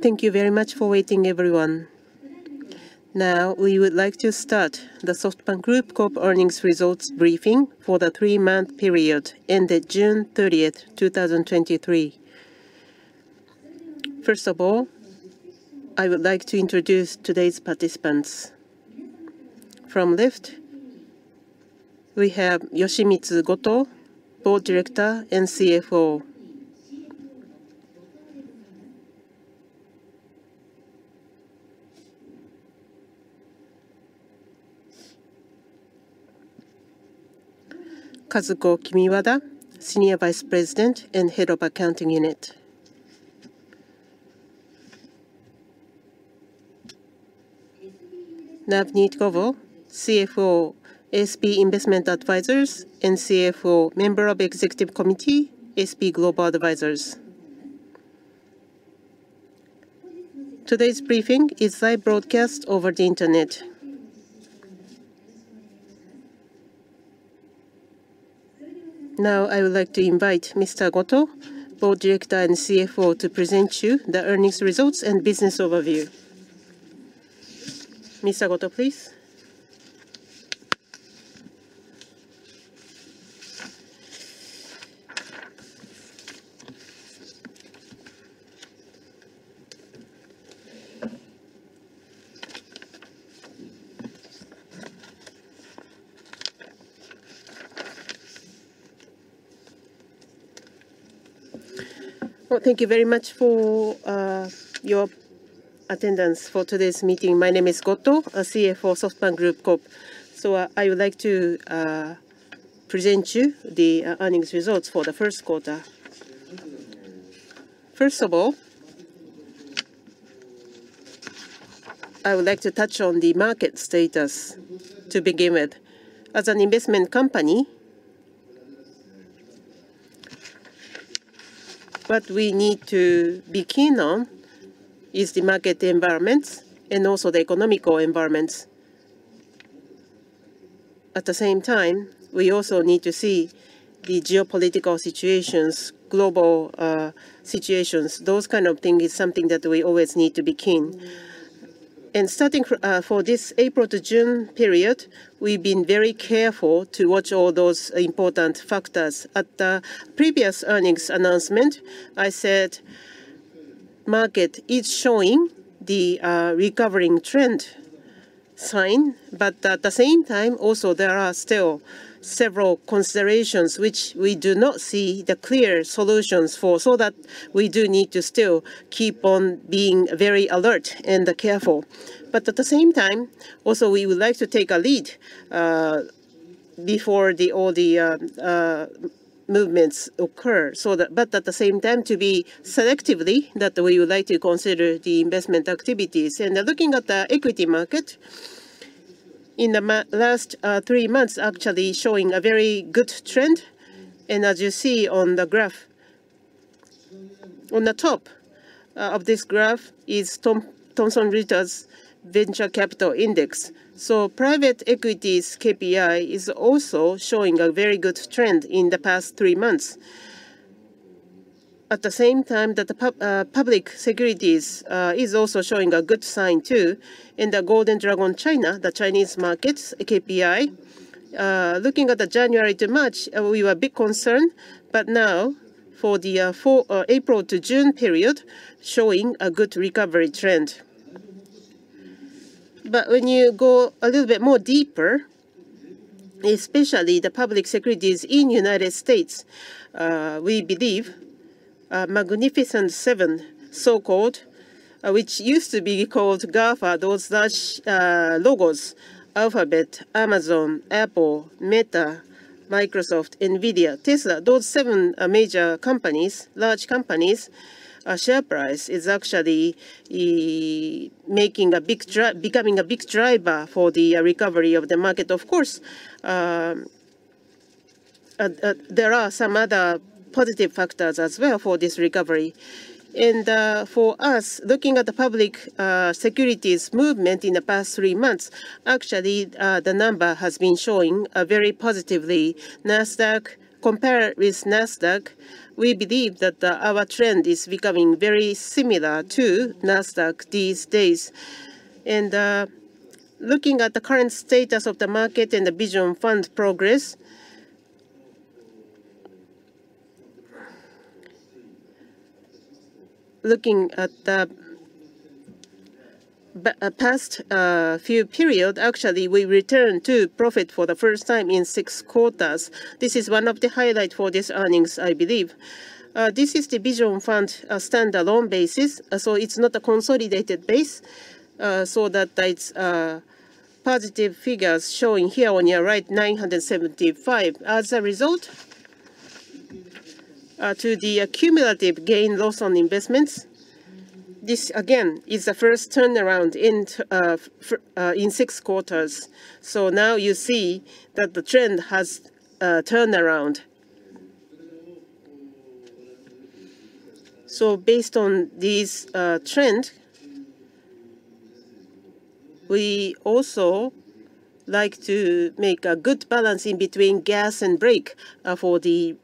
Thank you very much for waiting, everyone. Now, we would like to start the SoftBank Group Corp earnings results briefing for the 3-month period ended June 30, 2023. First of all, I would like to introduce today's participants. From left, we have Yoshimitsu Goto, Board Director and CFO. Kazuko Kimiwada, Senior Vice President and Head of Accounting Unit. Navneet Govil, CFO, SB Investment Advisers, and CFO, Member of Executive Committee, SB Global Advisers. Today's briefing is live broadcast over the internet. Now, I would like to invite Mr. Goto, Board Director and CFO, to present you the earnings results and business overview. Mr. Goto, please. Well, thank you very much for your attendance for today's meeting. My name is Goto, CFO, SoftBank Group Corp. I would like to present you the earnings results for the first quarter. First of all, I would like to touch on the market status to begin with. As an investment company, what we need to be keen on is the market environments and also the economical environments. At the same time, we also need to see the geopolitical situations, global situations. Those kind of thing is something that we always need to be keen. Starting for this April to June period, we've been very careful to watch all those important factors. At the previous earnings announcement, I said market is showing the recovering trend sign, at the same time, also there are still several considerations which we do not see the clear solutions for, so that we do need to still keep on being very alert and careful. At the same time, also, we would like to take a lead before all the movements occur. At the same time, to be selectively, that we would like to consider the investment activities. Looking at the equity market, in the last three months, actually showing a very good trend. As you see on the graph, on the top of this graph is Thomson Reuters Venture Capital Index. Private equities KPI is also showing a very good trend in the past three months. At the same time, that the public securities is also showing a good sign, too, in the Golden Dragon China, the Chinese markets KPI. Looking at the January to March, we were a bit concerned. Now, for the April to June period, showing a good recovery trend. When you go a little bit more deeper, especially the public securities in United States, we believe a Magnificent Seven, so-called, which used to be called GAFA, those large logos, Alphabet, Amazon, Apple, Meta, Microsoft, NVIDIA, Tesla. Those 7 major companies, large companies, share price is actually making a big dri- becoming a big driver for the recovery of the market. Of course, there are some other positive factors as well for this recovery. For us, looking at the public securities movement in the past 3 months, actually, the number has been showing very positively. Nasdaq, compared with Nasdaq, we believe that our trend is becoming very similar to Nasdaq these days. Looking at the current status of the market and the Vision Fund progress... Looking at the past few period, actually, we returned to profit for the first time in 6 quarters. This is one of the highlight for this earnings, I believe. This is the Vision Fund, standalone basis, so it's not a consolidated base, so that it's positive figures showing here on your right, 975. As a result, to the accumulative gain/loss on investments, this again is the first turnaround in 6 quarters. Now you see that the trend has turned around. Based on this, trend. We also like to make a good balance in between gas and brake, for the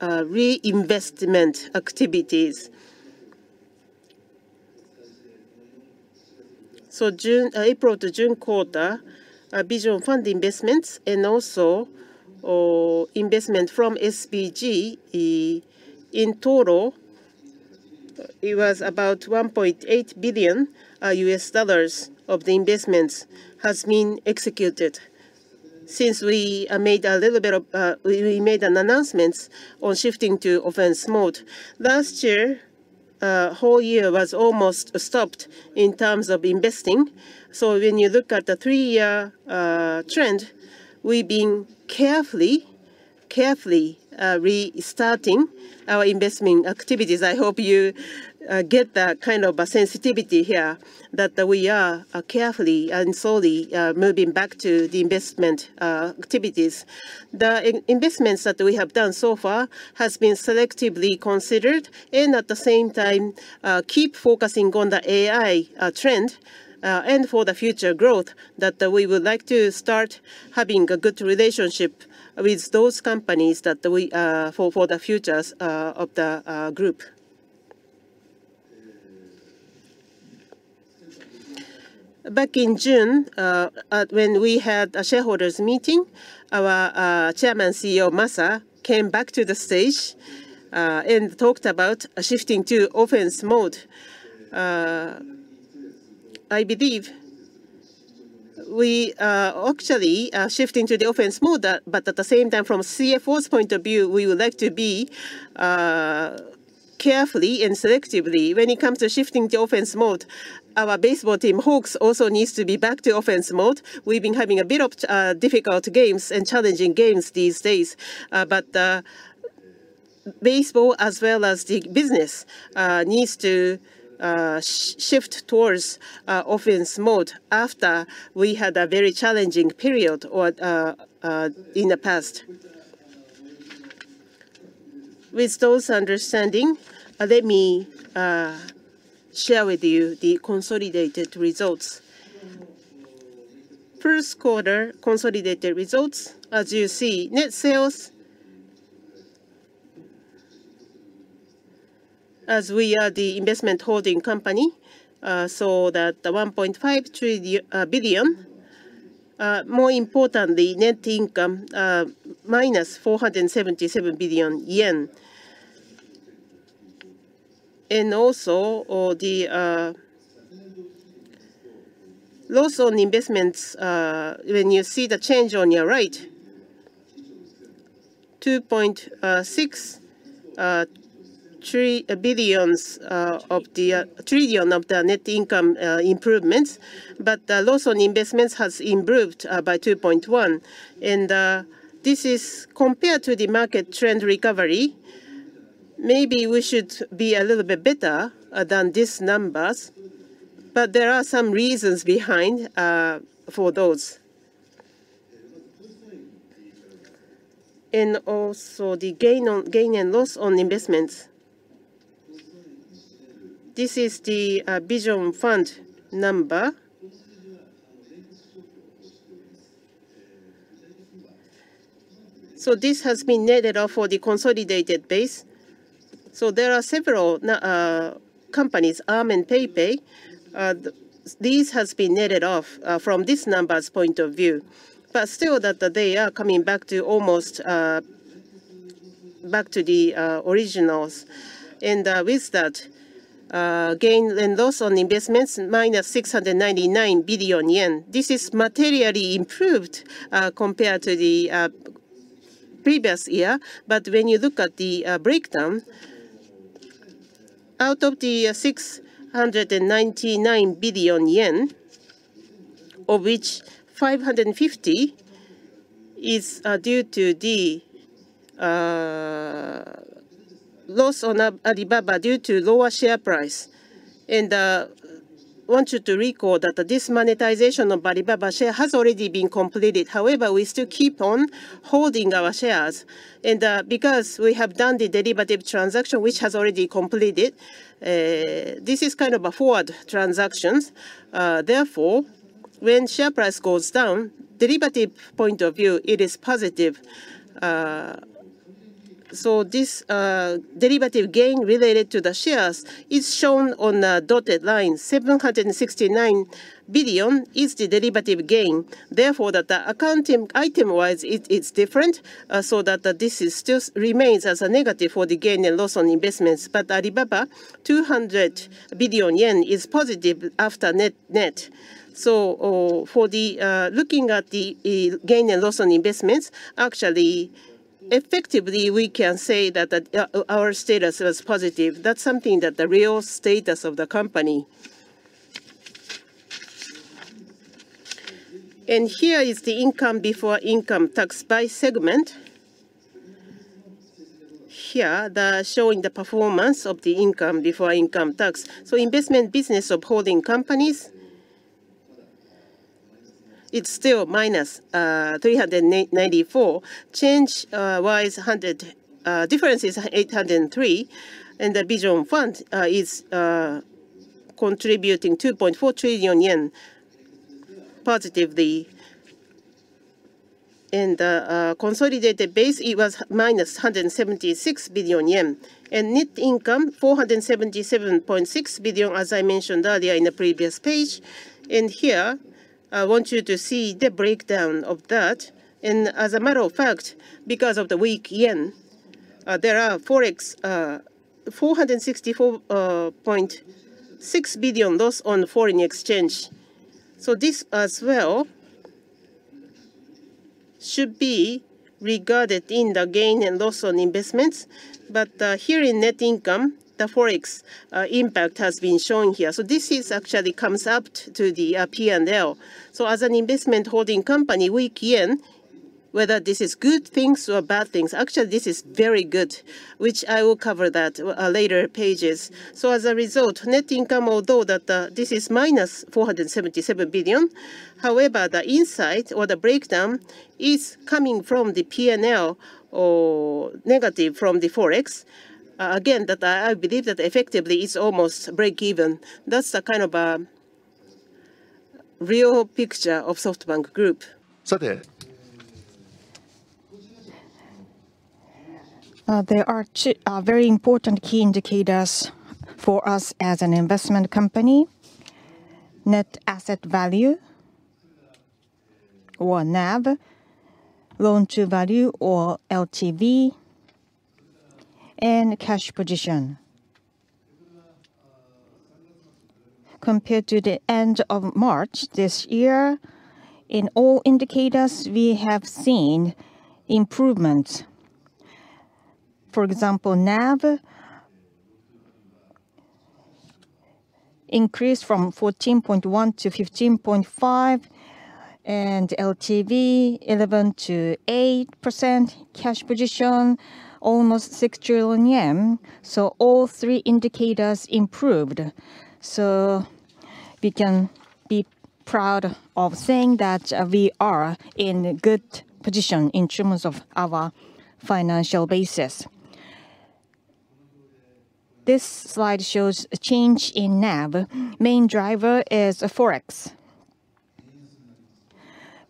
reinvestment activities. So June, April to June quarter, our Vision Fund investments and also investment from SBG, in total, it was about $1.8 billion of the investments has been executed. Since we made an announcements on shifting to offense mode. Last year, whole year was almost stopped in terms of investing. When you look at the three-year trend, we've been carefully, carefully restarting our investment activities. I hope you get that kind of a sensitivity here, that we are carefully and slowly moving back to the investment activities. The investments that we have done so far has been selectively considered, and at the same time, keep focusing on the AI trend, and for the future growth that we would like to start having a good relationship with those companies that we for the futures of the Group. Back in June, at when we had a Shareholders' meeting, our Chairman, CEO Masa, came back to the stage and talked about shifting to offense mode. I believe we are actually shifting to the offense mode, but at the same time, from CFO's point of view, we would like to be carefully and selectively when it comes to shifting to offense mode. Our baseball team, Hawks, also needs to be back to offense mode. We've been having a bit of difficult games and challenging games these days, but baseball as well as the business needs to shift towards offense mode after we had a very challenging period or in the past. With those understanding, let me share with you the consolidated results. First quarter consolidated results, as you see, net sales as we are the investment holding company, so that the 1.5 trillion. More importantly, net income, -477 billion yen. The loss on investments, when you see the change on your right, 2.6 trillion of the net income improvements, but the loss on investments has improved by 2.1 trillion. This is compared to the market trend recovery, maybe we should be a little bit better than these numbers, but there are some reasons behind for those. Also the gain on- gain and loss on investments. This is the Vision Fund number. This has been netted off for the consolidated base. There are several companies, Arm and PayPal, these has been netted off from this numbers point of view. But still that they are coming back to almost back to the originals. With that gain and loss on investments, -699 billion yen. This is materially improved compared to the previous year. When you look at the breakdown, out of the 699 billion yen, of which 550 billion is due to the loss on Alibaba due to lower share price. I want you to recall that the dismonetization of Alibaba share has already been completed. However, we still keep on holding our shares, and because we have done the derivative transaction, which has already completed, this is kind of a forward transactions. Therefore, when share price goes down, derivative point of view, it is positive. So this derivative gain related to the shares is shown on a dotted line. 769 billion is the derivative gain. Therefore, that the accounting item-wise, it, it's different, so that this is still remains as a negative for the gain and loss on investments. Alibaba, 200 billion yen is positive after net-net. For the looking at the gain and loss on investments, actually, effectively, we can say that our status was positive. That's something that the real status of the company. Here is the income before income tax by segment. Here, they're showing the performance of the income before income tax. Investment business of holding companies... It's still -394 billion. Change wise, 100 billion difference is 803 billion, the Vision Fund is contributing 2.4 trillion yen positively. Consolidated base, it was -176 billion yen. Net income, 477.6 billion, as I mentioned earlier in the previous page. Here, I want you to see the breakdown of that. As a matter of fact, because of the weak yen, there are Forex 464.6 billion loss on foreign exchange. This as well should be regarded in the gain and loss on investments. Here in net income, the Forex impact has been shown here. This actually comes up to the P&L. As an investment holding company, weak yen, whether this is good things or bad things, actually, this is very good, which I will cover that later pages. As a result, net income, although that this is minus 477 billion, however, the insight or the breakdown is coming from the P&L or negative from the Forex. Again, that I, I believe that effectively it's almost break even. That's the kind of real picture of SoftBank Group. There are 2 very important key indicators for us as an investment company: net asset value, or NAV, loan-to-value or LTV, and cash position. Compared to the end of March this year, in all indicators, we have seen improvements. For example, NAV increased from 14.1 to 15.5, and LTV, 11%-8%, cash position, almost 6 trillion yen. All 3 indicators improved. We can be proud of saying that we are in a good position in terms of our financial basis. This slide shows a change in NAV. Main driver is Forex.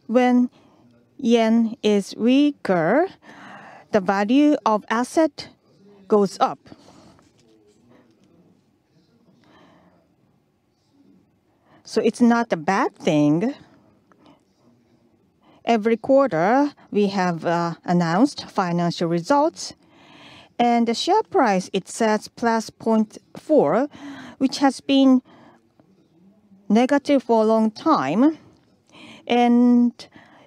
When yen is weaker, the value of asset goes up. It's not a bad thing. Every quarter, we have announced financial results, and the share price, it says +0.4, which has been negative for a long time.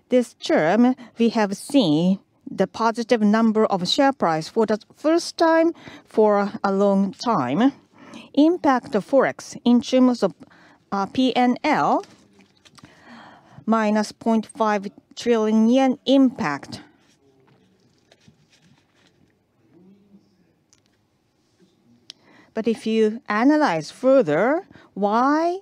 This term, we have seen the positive number of share price for the first time for a long time. Impact of Forex in terms of P&L, -0.5 trillion yen impact. If you analyze further, why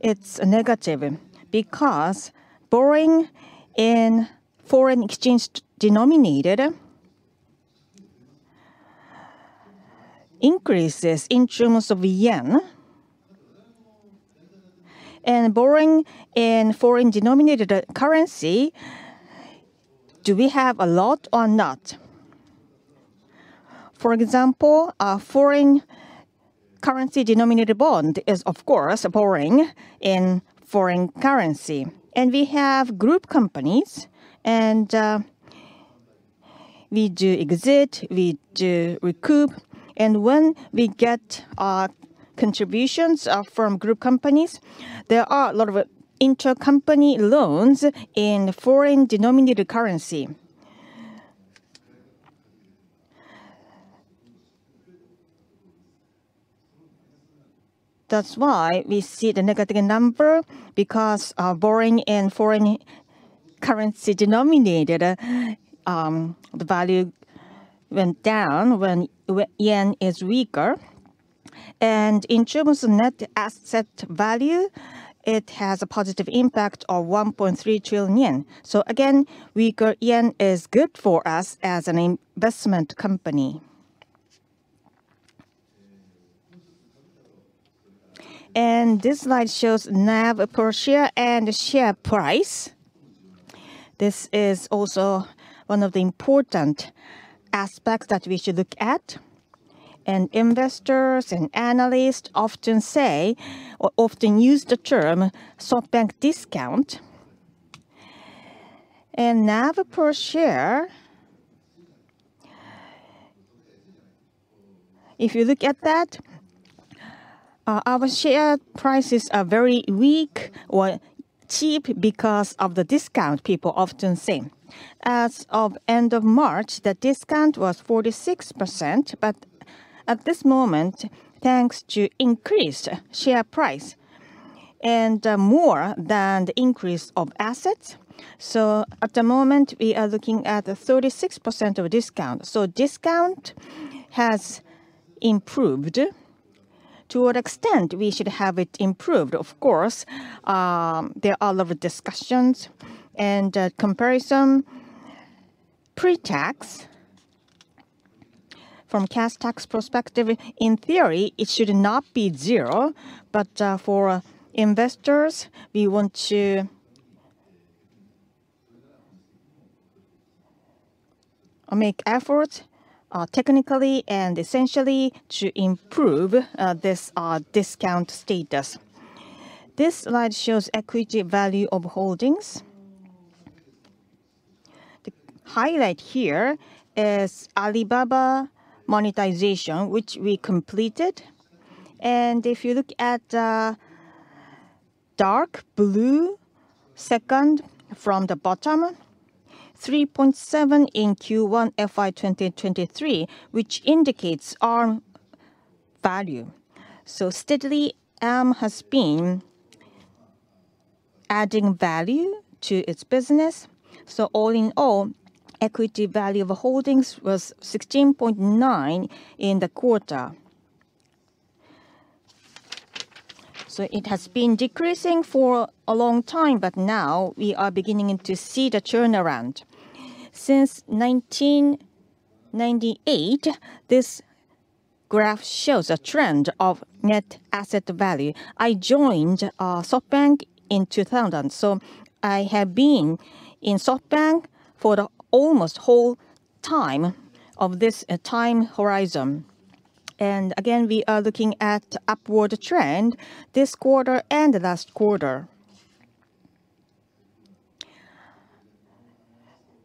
it's negative? Because borrowing in foreign exchange denominated increases in terms of JPY. Borrowing in foreign-denominated currency, do we have a lot or not? For example, a foreign-currency-denominated bond is, of course, borrowing in foreign currency. We have group companies, and we do exit, we do recoup, and when we get contributions from group companies, there are a lot of intercompany loans in foreign-denominated currency. That's why we see the negative number, because borrowing in foreign-currency-denominated, the value went down when JPY is weaker. In terms of net asset value, it has a positive impact of 1.3 trillion yen. Again, weaker yen is good for us as an investment company. This slide shows NAV per share and share price. This is also one of the important aspects that we should look at. Investors and analysts often say or often use the term SoftBank discount. NAV per share, if you look at that, our share prices are very weak or cheap because of the discount people often see. As of end of March, the discount was 46%, but at this moment, thanks to increased share price and more than the increase of assets. At the moment, we are looking at a 36% of discount. Discount has improved. To what extent we should have it improved? Of course, there are a lot of discussions and comparison pre-tax from cash tax perspective, in theory, it should not be zero. For investors, we want to make efforts technically and essentially to improve this discount status. This slide shows equity value of holdings. The highlight here is Alibaba monetization, which we completed. If you look at the dark blue, second from the bottom, 3.7 in Q1 FY 2023, which indicates Arm value. Steadily, Arm has been adding value to its business. All in all, equity value of holdings was 16.9 in the quarter. It has been decreasing for a long time, but now we are beginning to see the turnaround. Since 1998, this graph shows a trend of net asset value. I joined SoftBank in 2000. I have been in SoftBank for the almost whole time of this time horizon. Again, we are looking at upward trend this quarter and last quarter.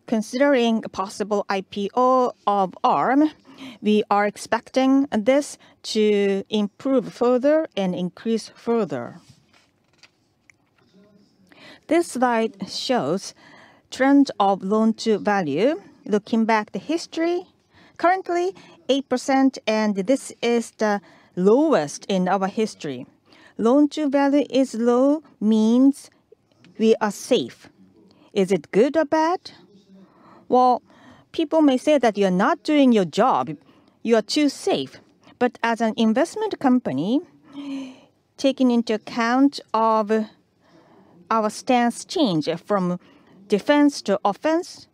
Considering a possible IPO of Arm, we are expecting this to improve further and increase further. This slide shows trends of loan-to-value. Looking back the history, currently 8%. This is the lowest in our history. Loan-to-value is low means we are safe. Is it good or bad? Well, people may say that you're not doing your job, you are too safe. As an investment company, taking into account of our stance change from defense to offense,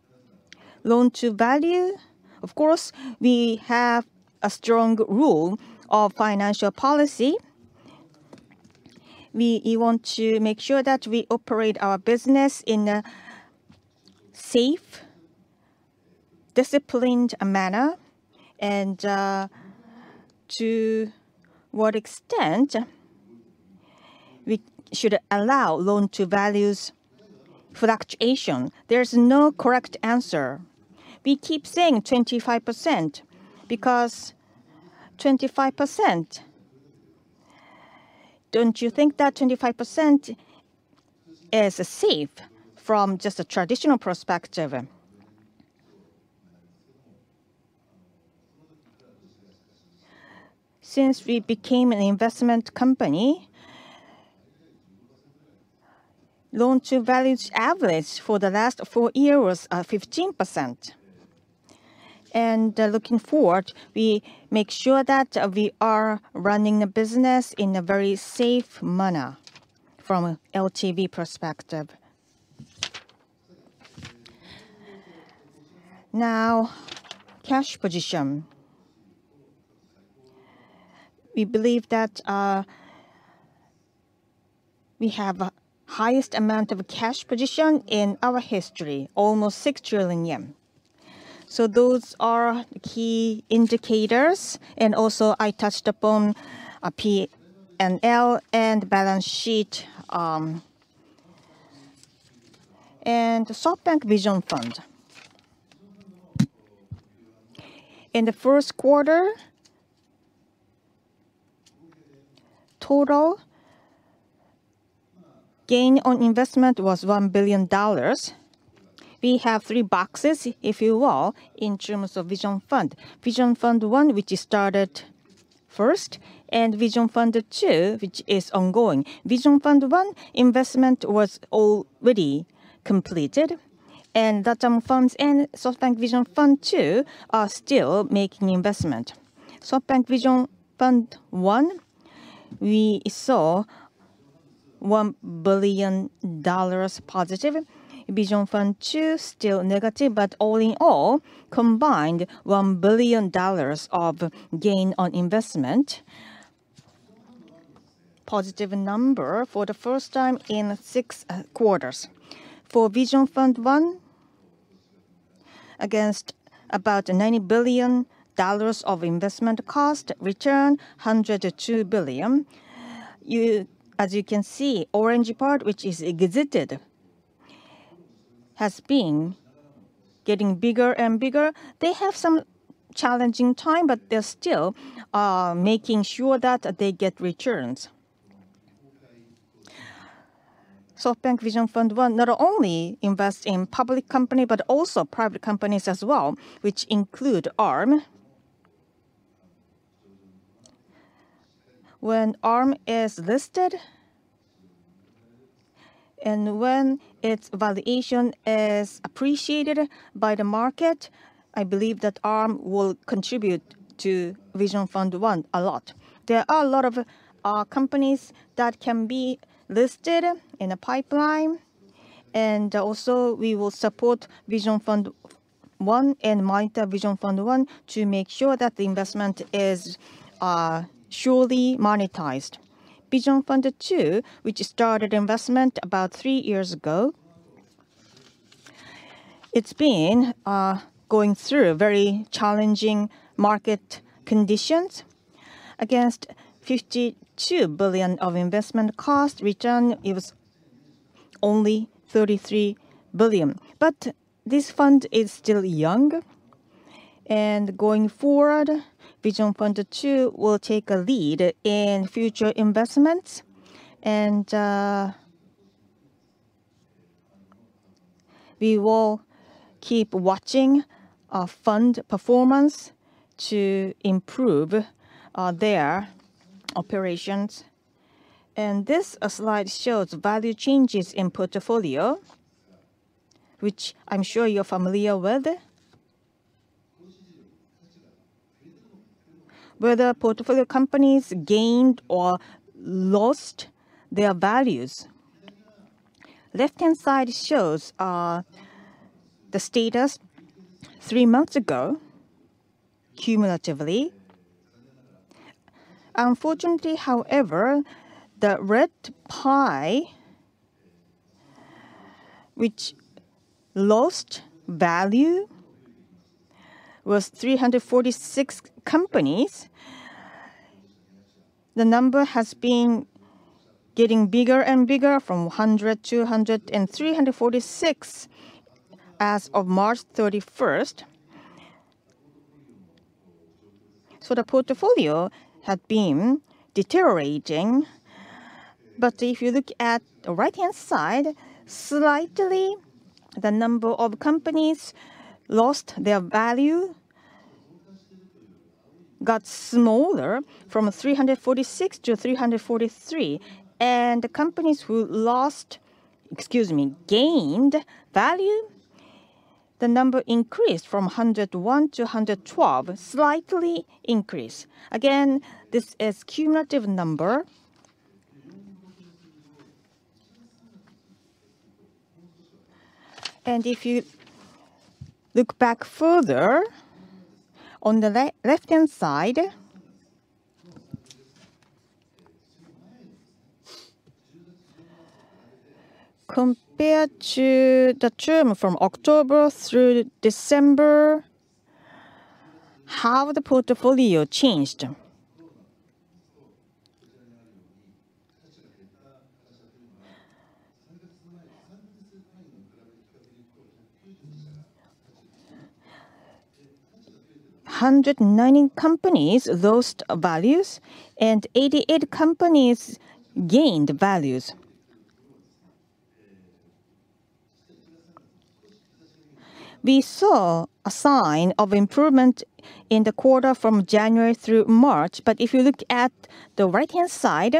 loan-to-value, of course, we have a strong rule of financial policy. We want to make sure that we operate our business in a safe, disciplined manner, to what extent we should allow loan-to-values fluctuation? There's no correct answer. We keep saying 25%, because 25%, don't you think that 25% is safe from just a traditional perspective? Since we became an investment company, loan-to-value's average for the last 4 years are 15%. Looking forward, we make sure that we are running the business in a very safe manner from a LTV perspective. Now, cash position. We believe that we have the highest amount of cash position in our history, almost 6 trillion yen. Those are key indicators, and also I touched upon a P&L and balance sheet. SoftBank Vision Fund. In the first quarter, total gain on investment was $1 billion. We have three boxes, if you will, in terms of Vision Fund. Vision Fund I, which started first. Vision Fund II, which is ongoing. Vision Fund I investment was already completed. The term funds and SoftBank Vision Fund II are still making investment. SoftBank Vision Fund I, we saw $1 billion positive. Vision Fund II, still negative. All in all, combined $1 billion of gain on investment, positive number for the first time in 6 quarters. For Vision Fund I, against about $90 billion of investment cost, return $102 billion. As you can see, orange part, which is exited, has been getting bigger and bigger. They have some challenging time. They're still making sure that they get returns. SoftBank Vision Fund I not only invests in public company, but also private companies as well, which include Arm. When Arm is listed and when its valuation is appreciated by the market, I believe that Arm will contribute to Vision Fund I a lot. There are a lot of companies that can be listed in the pipeline, and also we will support Vision Fund I and monitor Vision Fund I to make sure that the investment is surely monetized. Vision Fund II, which started investment about 3 years ago, it's been going through very challenging market conditions. Against $52 billion of investment cost, return, it was only $33 billion. This fund is still young, and going forward, Vision Fund II will take a lead in future investments. We will keep watching our fund performance to improve their operations. This slide shows value changes in portfolio, which I'm sure you're familiar with. Whether portfolio companies gained or lost their values. Left-hand side shows the status 3 months ago, cumulatively. Unfortunately, however, the red pie, which lost value, was 346 companies. The number has been getting bigger and bigger from 100, 200, and 346 as of March 31st. The portfolio had been deteriorating. If you look at the right-hand side, slightly, the number of companies lost their value got smaller from 346-343. The companies who lost, excuse me, gained value, the number increased from 101-112, slightly increased. Again, this is cumulative number. If you look back further, on the left-hand side, compared to the term from October through December, how the portfolio changed. 190 companies lost values, and 88 companies gained values. We saw a sign of improvement in the quarter from January through March. If you look at the right-hand side,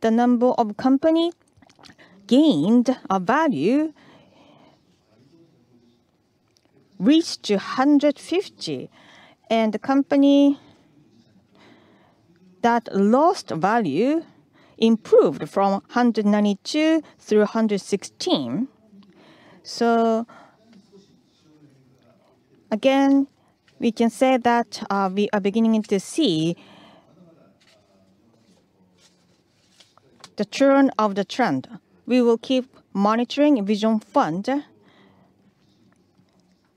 the number of company gained a value reached to 150, and the company that lost value improved from 192 through 116. Again, we can say that we are beginning to see the turn of the trend. We will keep monitoring Vision Fund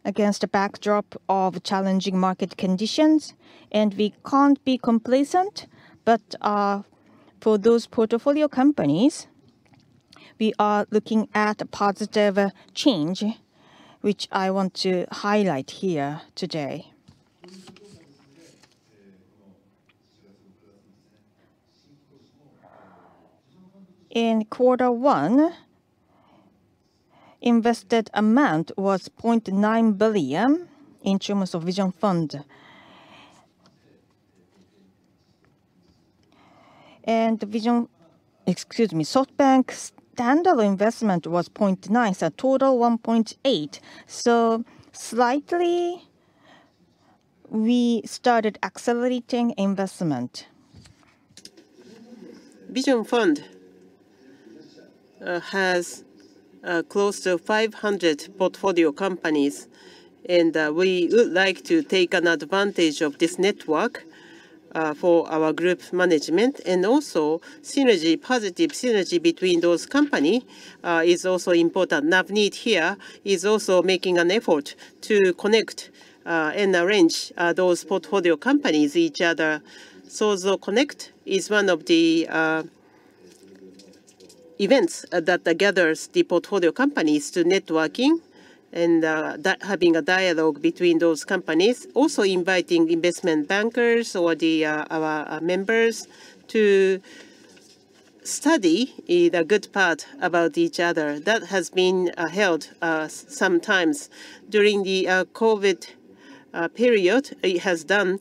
against a backdrop of challenging market conditions. We can't be complacent. For those portfolio companies, we are looking at a positive change, which I want to highlight here today. In quarter one, invested amount was $0.9 billion in terms of Vision Fund. Vision... Excuse me, SoftBank's standalone investment was $0.9, so total $1.8. Slightly, we started accelerating investment. Vision Fund has close to 500 portfolio companies, and we would like to take an advantage of this network for our group management. Also synergy, positive synergy between those company, is also important. Navneet here is also making an effort to connect and arrange those portfolio companies, each other. Sozo is one of the events that gathers the portfolio companies to networking and having a dialogue between those companies. Also inviting investment bankers or the our members to study the good part about each other. That has been held sometimes during the COVID period. It has done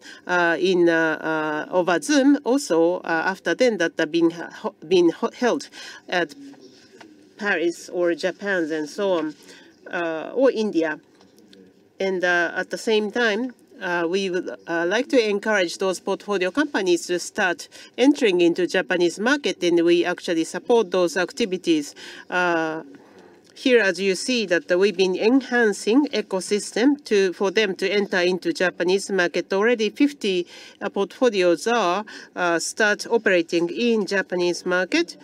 in over Zoom. Also, after then, that have been held at Paris or Japan and so on, or India. At the same time, we would like to encourage those portfolio companies to start entering into Japanese market, and we actually support those activities. Here, as you see, that we've been enhancing ecosystem to-- for them to enter into Japanese market. Already 50 portfolios are start operating in Japanese market.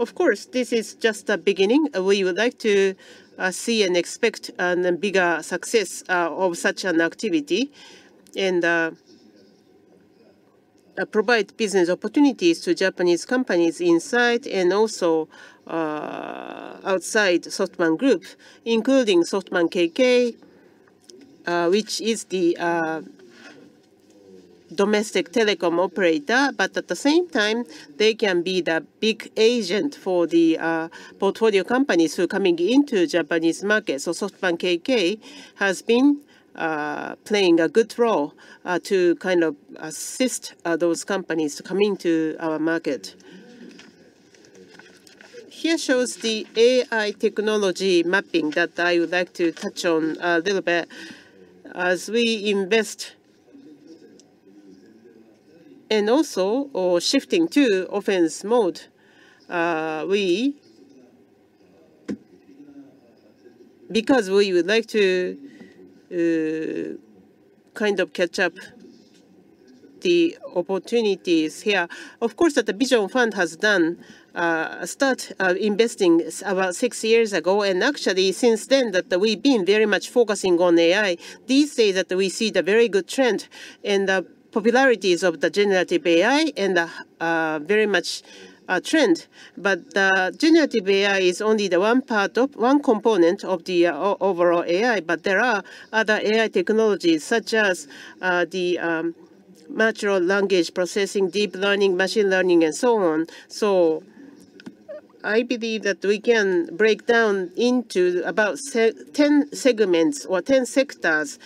Of course, this is just the beginning. We would like to see and expect bigger success of such an activity, and provide business opportunities to Japanese companies inside and also outside SoftBank Group, including SoftBank KK, which is the domestic telecom operator. At the same time, they can be the big agent for the portfolio companies who are coming into Japanese market. SoftBank KK has been playing a good role to kind of assist those companies to come into our market. Here shows the AI technology mapping that I would like to touch on a little bit. As we invest and also or shifting to offense mode, we-- Because we would like to kind of catch up the opportunities here. Of course, that the Vision Fund has done start investing about six years ago, actually, since then, that we've been very much focusing on AI. These days, that we see the very good trend and the popularities of the generative AI and very much trend. Generative AI is only the one part of one component of the overall AI, but there are other AI technologies such as the natural language processing, deep learning, machine learning, and so on. I believe that we can break down into about 10 segments or 10 sectors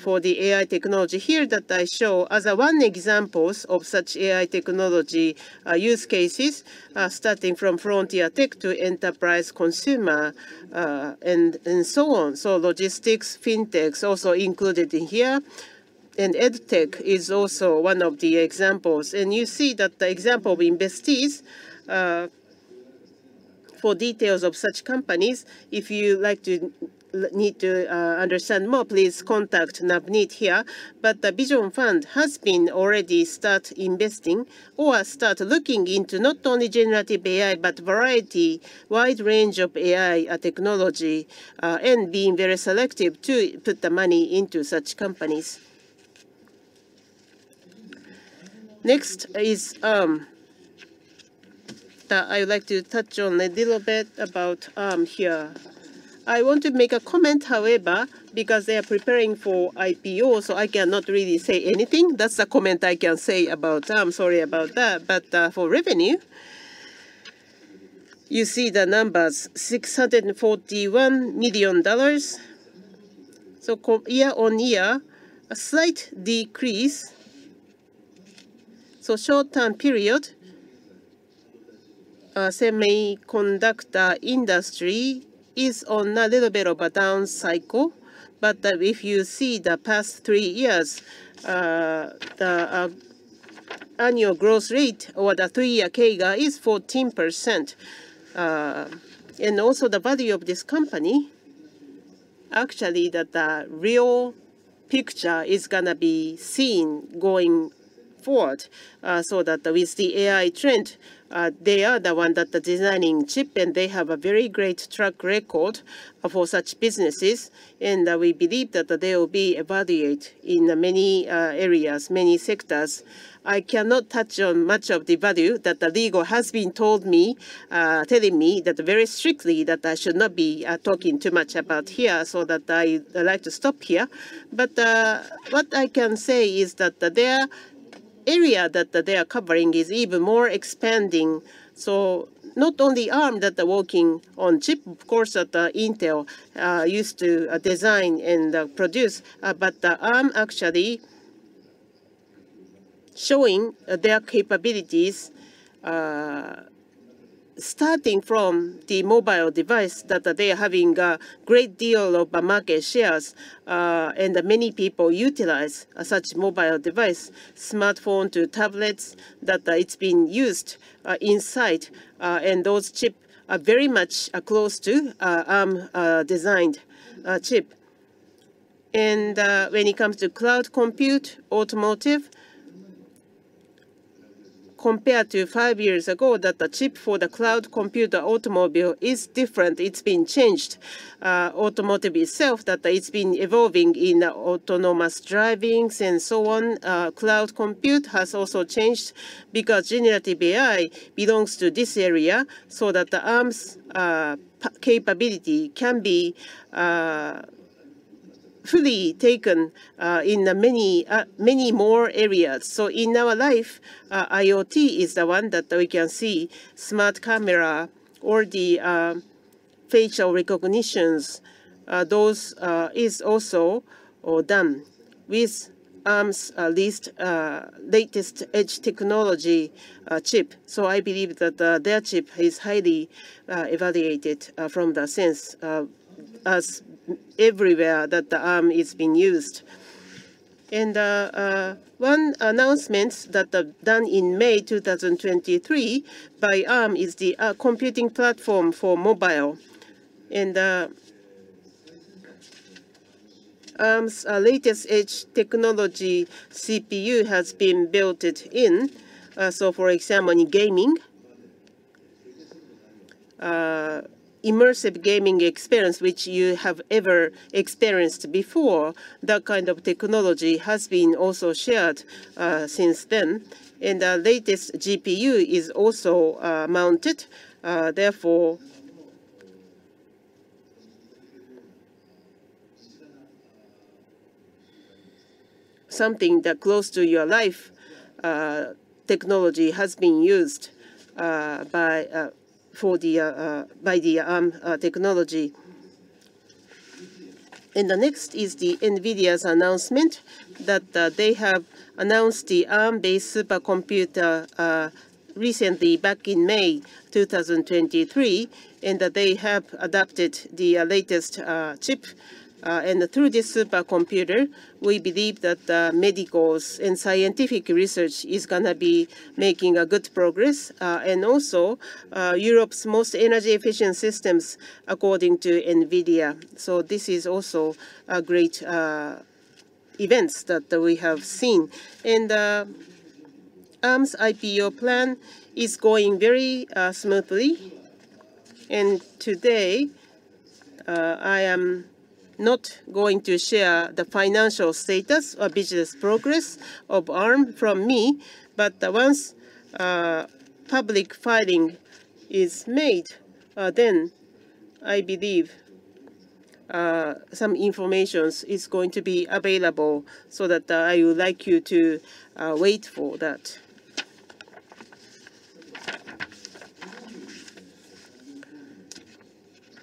for the AI technology. Here that I show as a one examples of such AI technology use cases starting from frontier tech to enterprise consumer, and so on. Logistics, fintechs, also included in here, and edtech is also one of the examples. You see that the example we invest is for details of such companies, if you like to need to understand more, please contact Navneet here. The Vision Fund has been already start investing or start looking into not only generative AI, but variety, wide range of AI technology and being very selective to put the money into such companies. Next is Arm. I would like to touch on a little bit about Arm here. I want to make a comment, however, because they are preparing for IPO, so I cannot really say anything. That's the comment I can say about Arm. Sorry about that. For revenue, you see the numbers, $641 million. Year-on-year, a slight decrease. Short-term period, semiconductor industry is on a little bit of a down cycle, but if you see the past 3 years, the annual growth rate or the 3-year CAGR is 14%. Also the value of this company, actually, that the real picture is gonna be seen going forward, so that with the AI trend, they are the one that are designing chip, and they have a very great track record for such businesses. We believe that they will be evaluate in many areas, many sectors. I cannot touch on much of the value that the legal has been told me, telling me that very strictly, that I should not be talking too much about here, so that I'd like to stop here. What I can say is that the their area that they are covering is even more expanding. Not only Arm that are working on chip, of course, that, Intel, used to, design and, produce, but, Arm actually showing their capabilities, starting from the mobile device that they are having a great deal of market shares. Many people utilize such mobile device, smartphone to tablets, that it's being used, inside, and those chip are very much close to, Arm, designed, chip. When it comes to cloud compute, automotive, compared to five years ago, that the chip for the cloud compute, automobile is different. It's been changed. Automotive itself, that it's been evolving in autonomous drivings and so on. Cloud compute has also changed because generative AI belongs to this area, so that the Arm's capability can be fully taken in the many, many more areas. In our life, IoT is the one that we can see, smart camera or the facial recognitions, those is also done with Arm's least, latest edge technology chip. I believe that their chip is highly evaluated from the sense of as everywhere that the Arm is being used. One announcement that done in May 2023 by Arm is the computing platform for mobile. Arm's latest edge technology CPU has been built in. So for example, in gaming, immersive gaming experience, which you have ever experienced before, that kind of technology has been also shared since then. The latest GPU is also mounted, therefore something that close to your life, technology has been used by for the by the Arm technology. The next is the NVIDIA's announcement, that they have announced the Arm-based supercomputer recently back in May 2023, and that they have adapted the latest chip. Through this supercomputer, we believe that medicals and scientific research is gonna be making a good progress, and also Europe's most energy efficient systems according to NVIDIA. This is also a great events that, that we have seen. Arm's IPO plan is going very smoothly. Today, I am not going to share the financial status or business progress of Arm from me, but once public filing is made, then I believe some information is going to be available, so that I would like you to wait for that.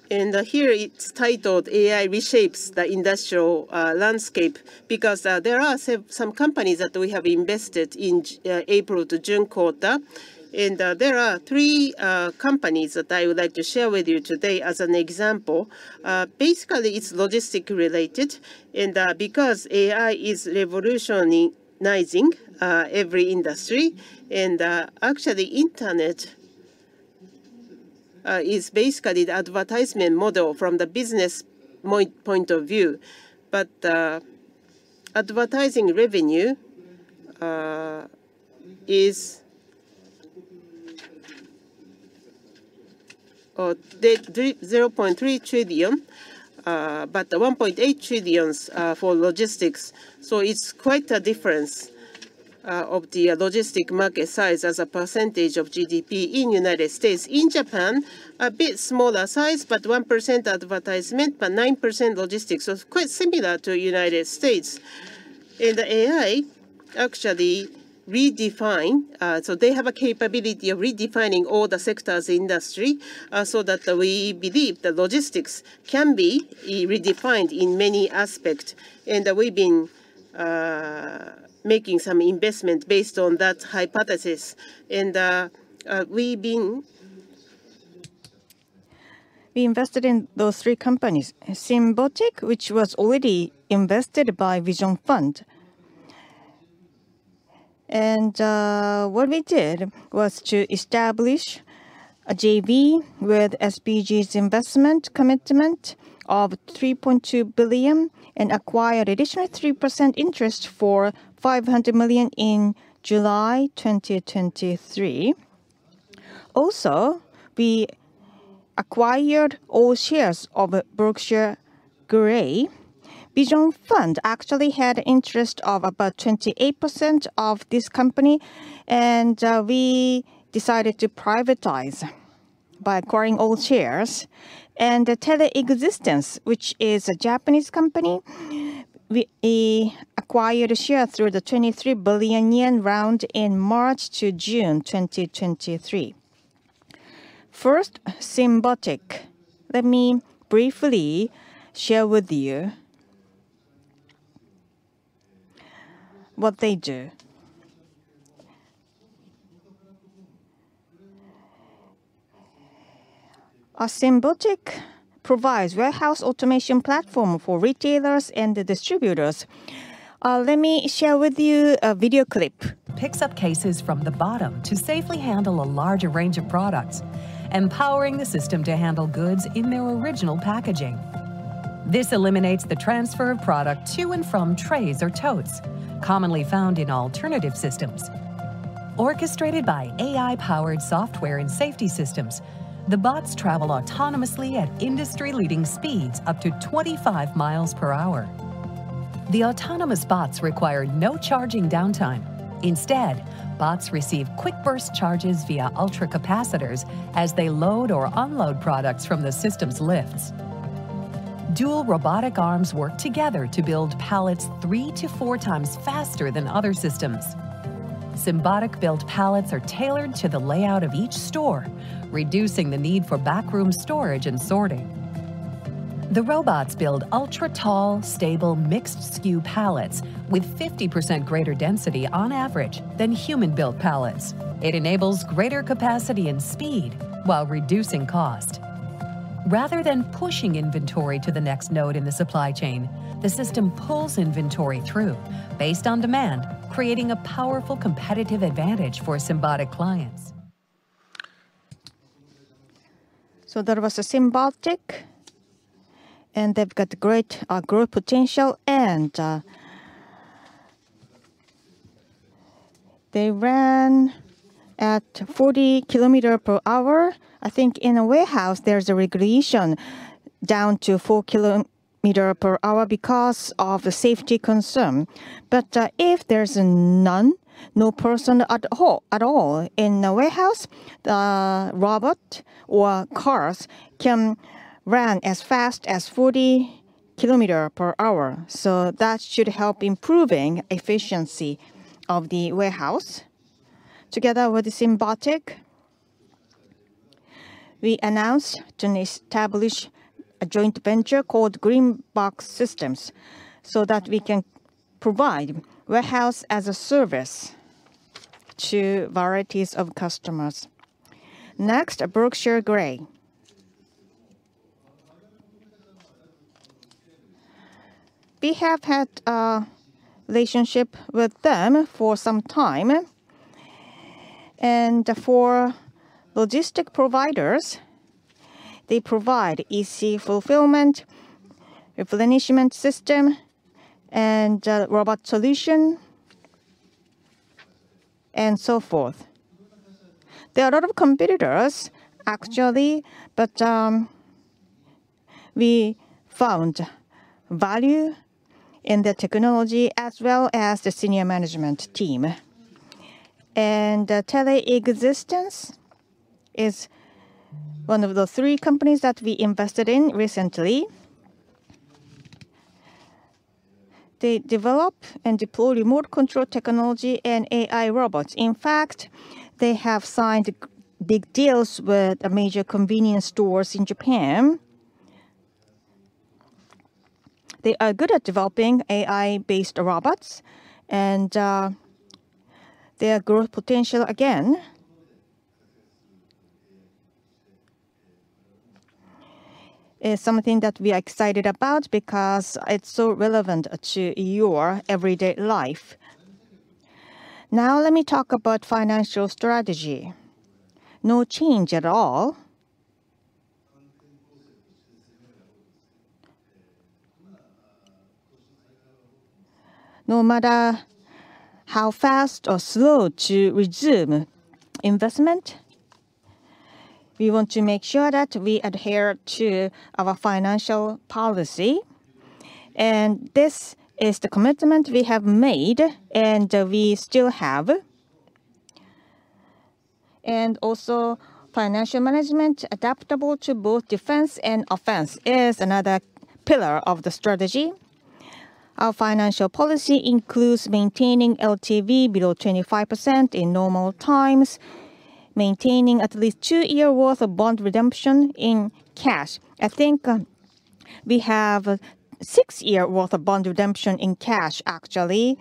Here it's titled AI Reshapes the Industrial Landscape, because there are some companies that we have invested in April to June quarter. There are three companies that I would like to share with you today as an example. Basically, it's logistics related, and because AI is revolutionizing every industry, and actually internet is basically the advertisement model from the business point of view. Advertising revenue is the 0.3 trillion, but the 1.8 trillions for logistics. It's quite a difference of the logistic market size as a percentage of GDP in United States. In Japan, a bit smaller size, but 1% advertisement, but 9% logistics. It's quite similar to United States. The AI actually redefine, so they have a capability of redefining all the sectors industry, so that we believe that logistics can be redefined in many aspect. We've been making some investments based on that hypothesis. We invested in those three companies. Symbotic, which was already invested by Vision Fund. What we did was to establish a JV with SBG's investment commitment of $3.2 billion, and acquired additional 3% interest for $500 million in July 2023. We acquired all shares of Berkshire Grey. Vision Fund actually had interest of about 28% of this company, and we decided to privatize by acquiring all shares. Telexistence, which is a Japanese company, we acquired a share through the 23 billion yen round in March to June 2023. First, Symbotic. Let me briefly share with you what they do. Symbotic provides warehouse automation platform for retailers and distributors. Let me share with you a video clip. picks up cases from the bottom to safely handle a larger range of products, empowering the system to handle goods in their original packaging. This eliminates the transfer of product to and from trays or totes, commonly found in alternative systems. Orchestrated by AI-powered software and safety systems, the bots travel autonomously at industry-leading speeds, up to 25 miles per hour. The autonomous bots require no charging downtime. Instead, bots receive quick burst charges via ultracapacitors as they load or unload products from the system's lifts. Dual robotic arms work together to build pallets 3 to 4 times faster than other systems. Symbotic-built pallets are tailored to the layout of each store, reducing the need for backroom storage and sorting. The robots build ultra-tall, stable, mixed SKU pallets with 50% greater density on average than human-built pallets. It enables greater capacity and speed while reducing cost. Rather than pushing inventory to the next node in the supply chain, the system pulls inventory through based on demand, creating a powerful competitive advantage for Symbotic clients. That was Symbotic, and they've got great growth potential and they ran at 40 kilometer per hour. I think in a warehouse, there's a regulation down to 4 kilometer per hour because of the safety concern. If there's none, no person at all, at all in the warehouse, the robot or cars can run as fast as 40 kilometer per hour. That should help improving efficiency of the warehouse. Together with Symbotic, we announced to establish a joint venture called Green Box Systems, so that we can provide warehouse-as-a-service to varieties of customers. Next, Berkshire Grey. We have had a relationship with them for some time. For logistic providers, they provide EC fulfillment, replenishment system, and robot solution, and so forth. There are a lot of competitors, actually, but we found value in the technology as well as the senior management team. Telexistence is one of the three companies that we invested in recently. They develop and deploy remote control technology and AI robots. In fact, they have signed big deals with major convenience stores in Japan. They are good at developing AI-based robots, and their growth potential, again, is something that we are excited about because it's so relevant to your everyday life. Now let me talk about financial strategy. No change at all. No matter how fast or slow to resume investment, we want to make sure that we adhere to our financial policy, and this is the commitment we have made, and we still have. Also, financial management adaptable to both defense and offense is another pillar of the strategy. Our financial policy includes maintaining LTV below 25% in normal times, maintaining at least two year worth of bond redemption in cash. I think, we have a six year worth of bond redemption in cash, actually.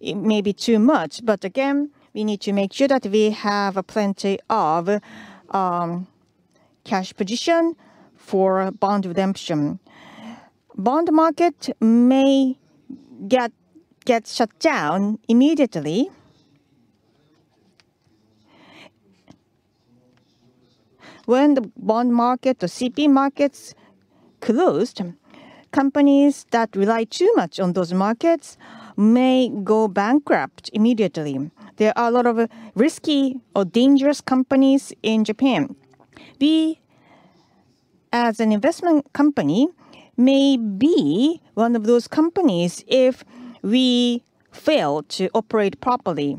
It may be too much, but again, we need to make sure that we have plenty of cash position for bond redemption. Bond market may get shut down immediately. When the bond market, the CP markets closed, companies that rely too much on those markets may go bankrupt immediately. There are a lot of risky or dangerous companies in Japan. We, as an investment company, may be one of those companies if we fail to operate properly.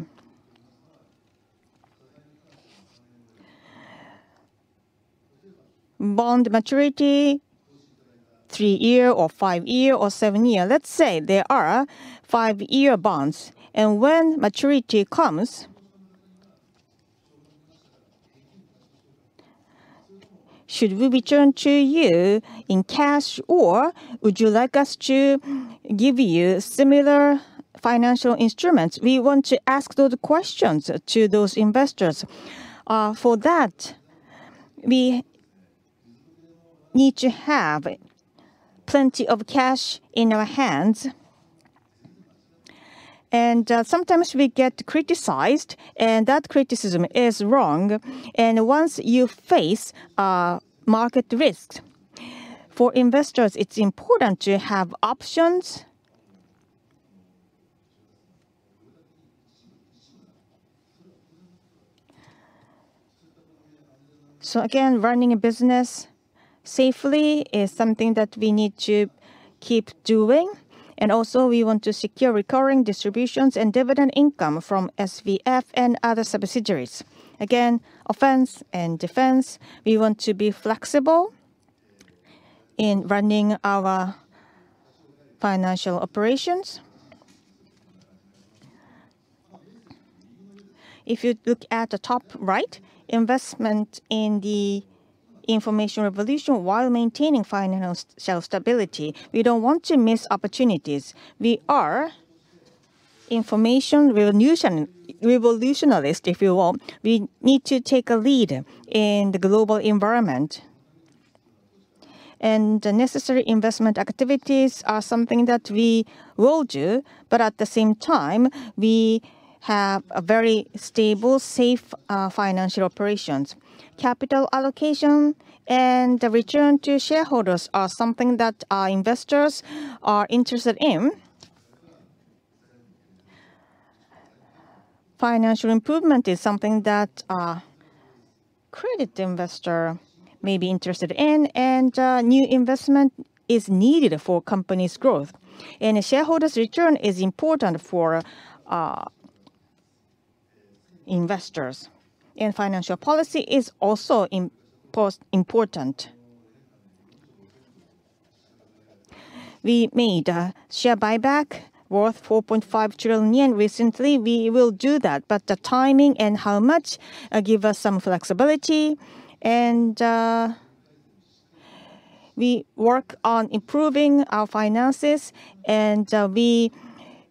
Bond maturity, three year or five year or seven year. Let's say they are five-year bonds, when maturity comes, should we return to you in cash, or would you like us to give you similar financial instruments? We want to ask those questions to those investors. For that, we need to have plenty of cash in our hands. Sometimes we get criticized, and that criticism is wrong. Once you face market risks, for investors, it's important to have options. Again, running a business safely is something that we need to keep doing, and also we want to secure recurring distributions and dividend income from SVF and other subsidiaries. Again, offense and defense, we want to be flexible in running our financial operations. If you look at the top right, investment in the information revolution while maintaining financial self-stability, we don't want to miss opportunities. We are information revolution, revolutionalist, if you will. We need to take a lead in the global environment, and necessary investment activities are something that we will do, but at the same time, we have a very stable, safe financial operations. Capital allocation and the return to shareholders are something that our investors are interested in. Financial improvement is something that credit investor may be interested in, and new investment is needed for company's growth. A shareholders' return is important for investors, and financial policy is also important. We made a share buyback worth 4.5 trillion yen recently. We will do that, but the timing and how much give us some flexibility, and we work on improving our finances, and we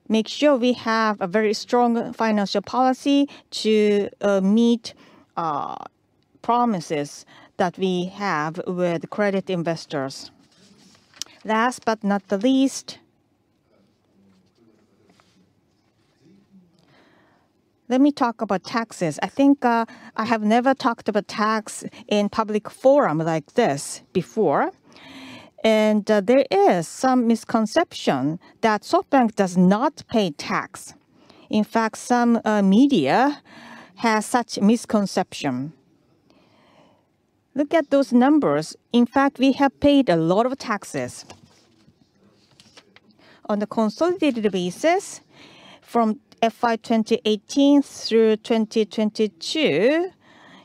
make sure we have a very strong financial policy to meet promises that we have with credit investors. Last but not the least, let me talk about taxes. I think, I have never talked about tax in public forum like this before, and there is some misconception that SoftBank does not pay tax. In fact, some media has such misconception. Look at those numbers. In fact, we have paid a lot of taxes. On a consolidated basis, from FY 2018 through 2022,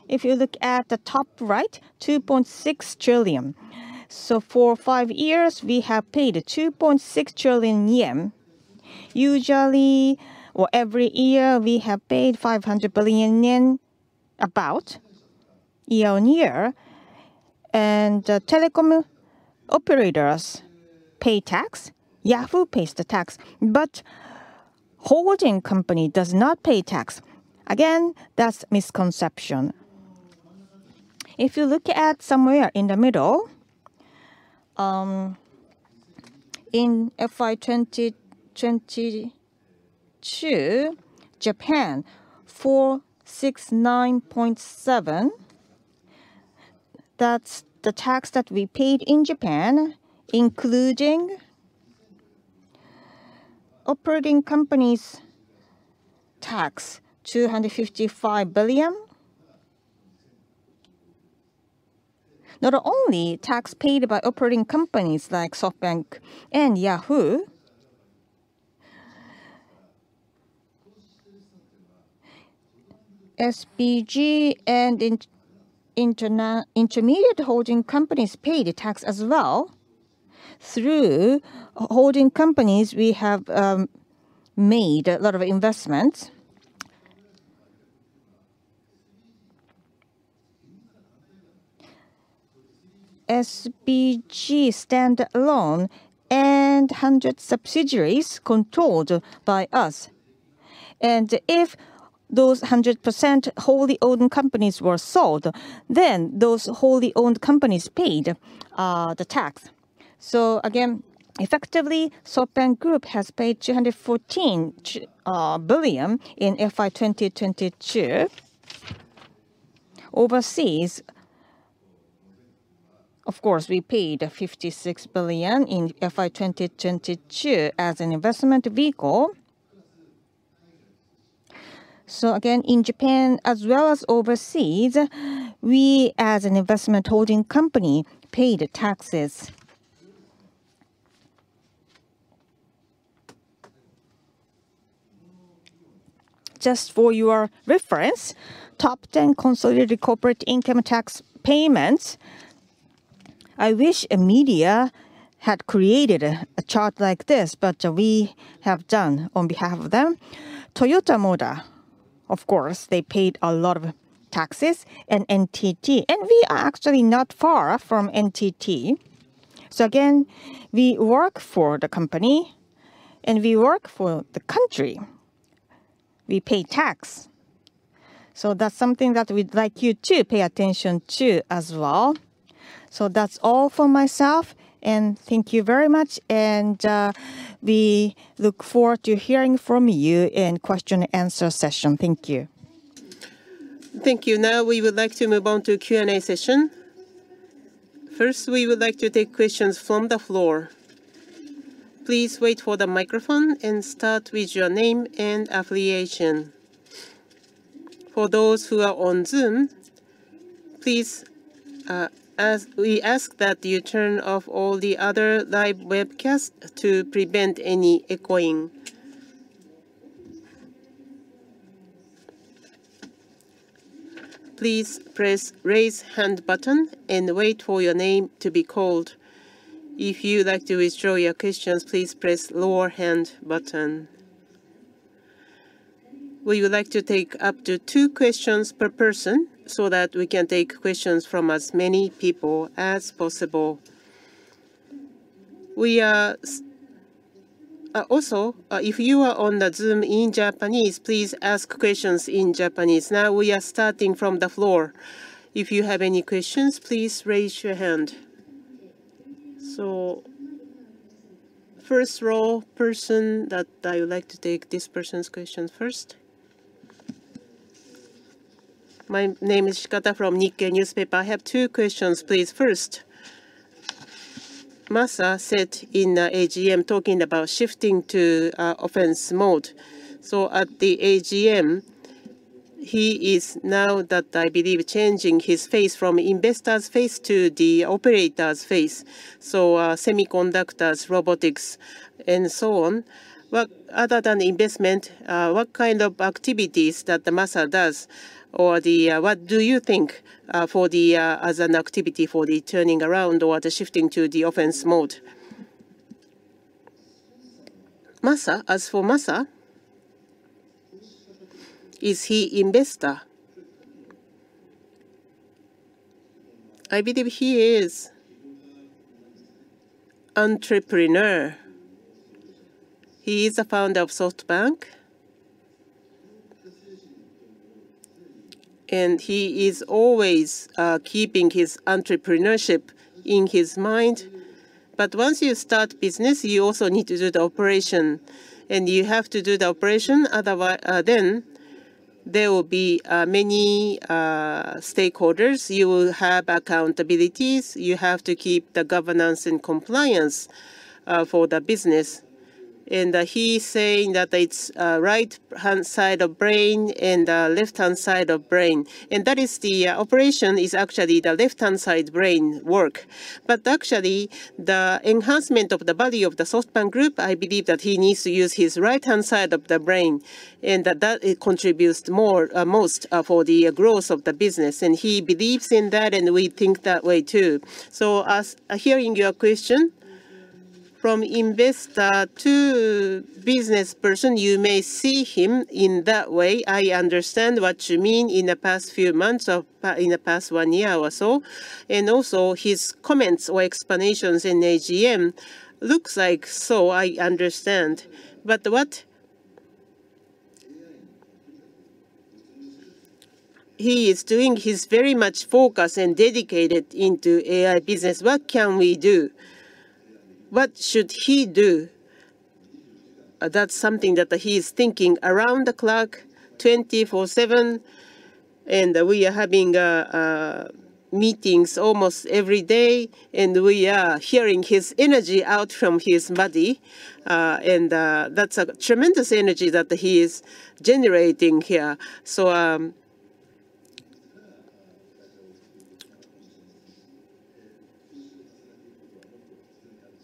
if you look at the top right, 2.6 trillion. For 5 years, we have paid 2.6 trillion yen. Usually, or every year, we have paid 500 billion yen, about, year-on-year, and telecom operators pay tax. Yahoo! pays the tax, but holding company does not pay tax. Again, that's misconception. If you look at somewhere in the middle, in FY 2022, Japan, 469.7 billion, that's the tax that we paid in Japan, including operating companies' tax, JPY 255 billion. Not only tax paid by operating companies like SoftBank and Yahoo! SBG and intermediate holding companies paid tax as well. Through holding companies, we have made a lot of investments. SBG stand alone and 100 subsidiaries controlled by us, and if those 100% wholly-owned companies were sold, then those wholly-owned companies paid the tax. Again, effectively, SoftBank Group has paid 214 billion in FY 2022. Overseas, of course, we paid 56 billion in FY 2022 as an investment vehicle. Again, in Japan as well as overseas, we, as an investment holding company, paid taxes. Just for your reference, top ten consolidated corporate income tax payments. I wish a media had created a chart like this. We have done on behalf of them. Toyota Motor, of course, they paid a lot of taxes, and NTT, and we are actually not far from NTT. Again, we work for the company, and we work for the country. We pay tax. That's something that we'd like you to pay attention to as well. That's all for myself, and thank you very much, and we look forward to hearing from you in question and answer session. Thank you. Thank you. Now, we would like to move on to Q&A session. First, we would like to take questions from the floor. Please wait for the microphone and start with your name and affiliation. For those who are on Zoom, please, We ask that you turn off all the other live webcasts to prevent any echoing. Please press raise hand button and wait for your name to be called. If you'd like to withdraw your questions, please press lower hand button. We would like to take up to two questions per person, so that we can take questions from as many people as possible. We are also, if you are on the Zoom in Japanese, please ask questions in Japanese. Now, we are starting from the floor. If you have any questions, please raise your hand. First row person, that I would like to take this person's question first. My name is Shikata from Nikkei Newspaper. I have two questions, please. First, Masa said in the AGM, talking about shifting to offense mode. At the AGM, he is now that I believe, changing his face from investor's face to the operator's face, so semiconductors, robotics, and so on. Other than investment, what kind of activities that Masa does, or what do you think, as an activity for the turning around or the shifting to the offense mode? Masa, as for Masa, is he investor? I believe he is entrepreneur. He is the founder of SoftBank, and he is always keeping his entrepreneurship in his mind. Once you start business, you also need to do the operation, and you have to do the operation, then there will be many stakeholders. You will have accountabilities. You have to keep the governance and compliance for the business. He is saying that it's right-hand side of brain and left-hand side of brain, and that is the operation is actually the left-hand side brain work. Actually, the enhancement of the value of the SoftBank Group, I believe that he needs to use his right-hand side of the brain, and that, that contributes more, most, for the growth of the business. He believes in that, and we think that way too. As hearing your question, from investor to business person, you may see him in that way. I understand what you mean in the past few months of pa-- in the past one year or so, and also his comments or explanations in AGM looks like so, I understand. What... He is doing, he's very much focused and dedicated into AI business. What can we do? What should he do? That's something that he is thinking around the clock, 24/7, and we are having meetings almost every day, and we are hearing his energy out from his body. That's a tremendous energy that he is generating here.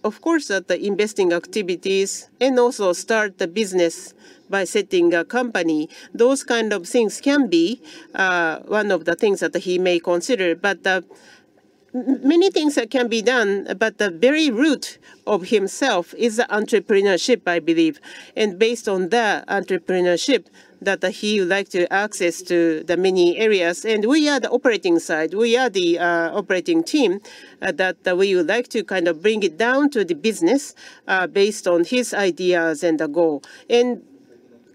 Of course, that the investing activities and also start the business by setting a company, those kind of things can be one of the things that he may consider. Many things that can be done, but the very root of himself is the entrepreneurship, I believe, and based on that entrepreneurship, that he would like to access to the many areas. We are the operating side. We are the operating team that we would like to kind of bring it down to the business based on his ideas and the goal and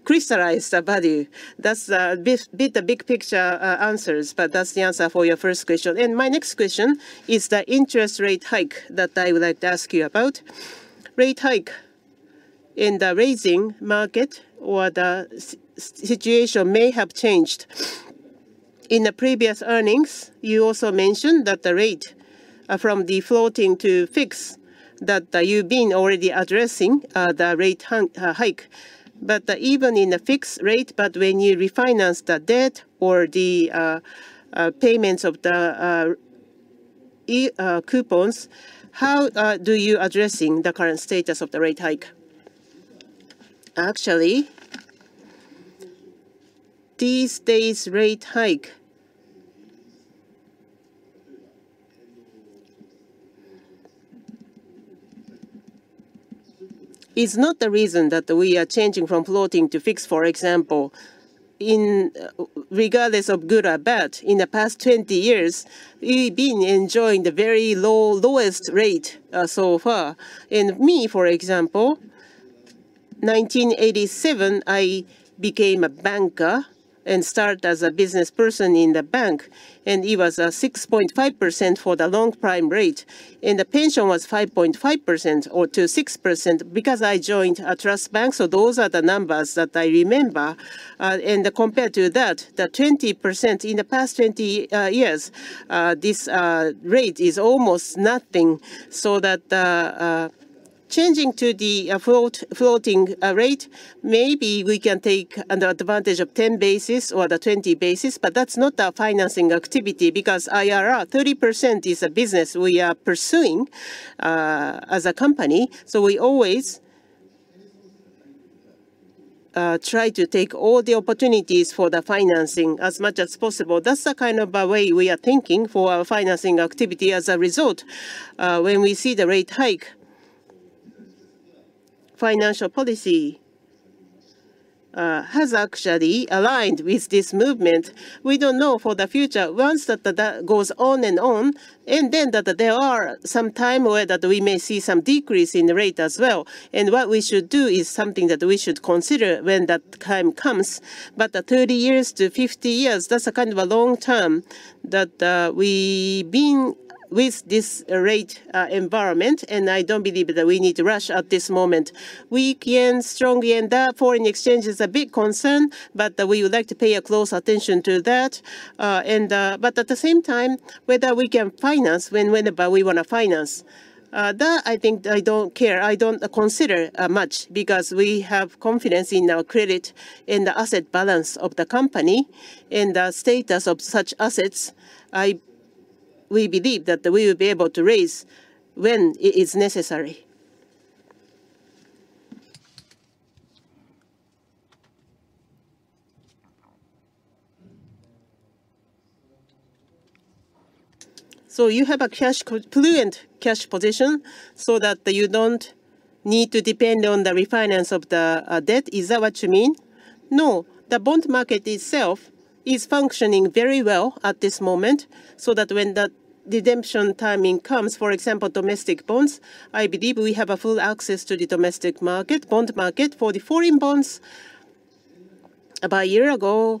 crystallize the value. That's bit, bit the big picture answers, but that's the answer for your first question. My next question is the interest rate hike that I would like to ask you about. Rate hike in the raising market or the situation may have changed. In the previous earnings, you also mentioned that the rate from the floating to fixed, that you've been already addressing the rate hike. Even in the fixed rate, but when you refinance the debt or the payments of the coupons, how do you addressing the current status of the rate hike? Actually, these days, rate hike is not the reason that we are changing from floating to fixed, for example. In, regardless of good or bad, in the past 20 years, we've been enjoying the very low, lowest rate so far. Me, for example, 1987, I became a banker and started as a businessperson in the bank, and it was 6.5% for the long prime rate, and the pension was 5.5% or to 6% because I joined Trust Bank. Those are the numbers that I remember. Uh, and compared to that, the twenty percent in the past twenty, uh, years, uh, this, uh, rate is almost nothing. So that, uh, uh, changing to the, uh, float- floating, uh, rate, maybe we can take an advantage of ten basis or the twenty basis, but that's not our financing activity because IRR, thirty percent is a business we are pursuing, uh, as a company, so we always-... uh, try to take all the opportunities for the financing as much as possible. That's the kind of, uh, way we are thinking for our financing activity. As a result, uh, when we see the rate hike, financial policy, uh, has actually aligned with this movement. We don't know for the future once that the, that goes on and on, and then that there are some time where that we may see some decrease in the rate as well, and what we should do is something that we should consider when that time comes. The 30 years to 50 years, that's a kind of a long term that we've been with this rate environment, and I don't believe that we need to rush at this moment. Weak yen, strong yen, that foreign exchange is a big concern, but we would like to pay a close attention to that. But at the same time, whether we can finance when, whenever we wanna finance, that I think I don't care. I don't consider much because we have confidence in our credit and the asset balance of the company and the status of such assets. We believe that we will be able to raise when it is necessary. You have a cash fluent cash position so that you don't need to depend on the refinance of the debt. Is that what you mean? The bond market itself is functioning very well at this moment, so that when the redemption timing comes, for example, domestic bonds, I believe we have a full access to the domestic market, bond market. For the foreign bonds, about a year ago,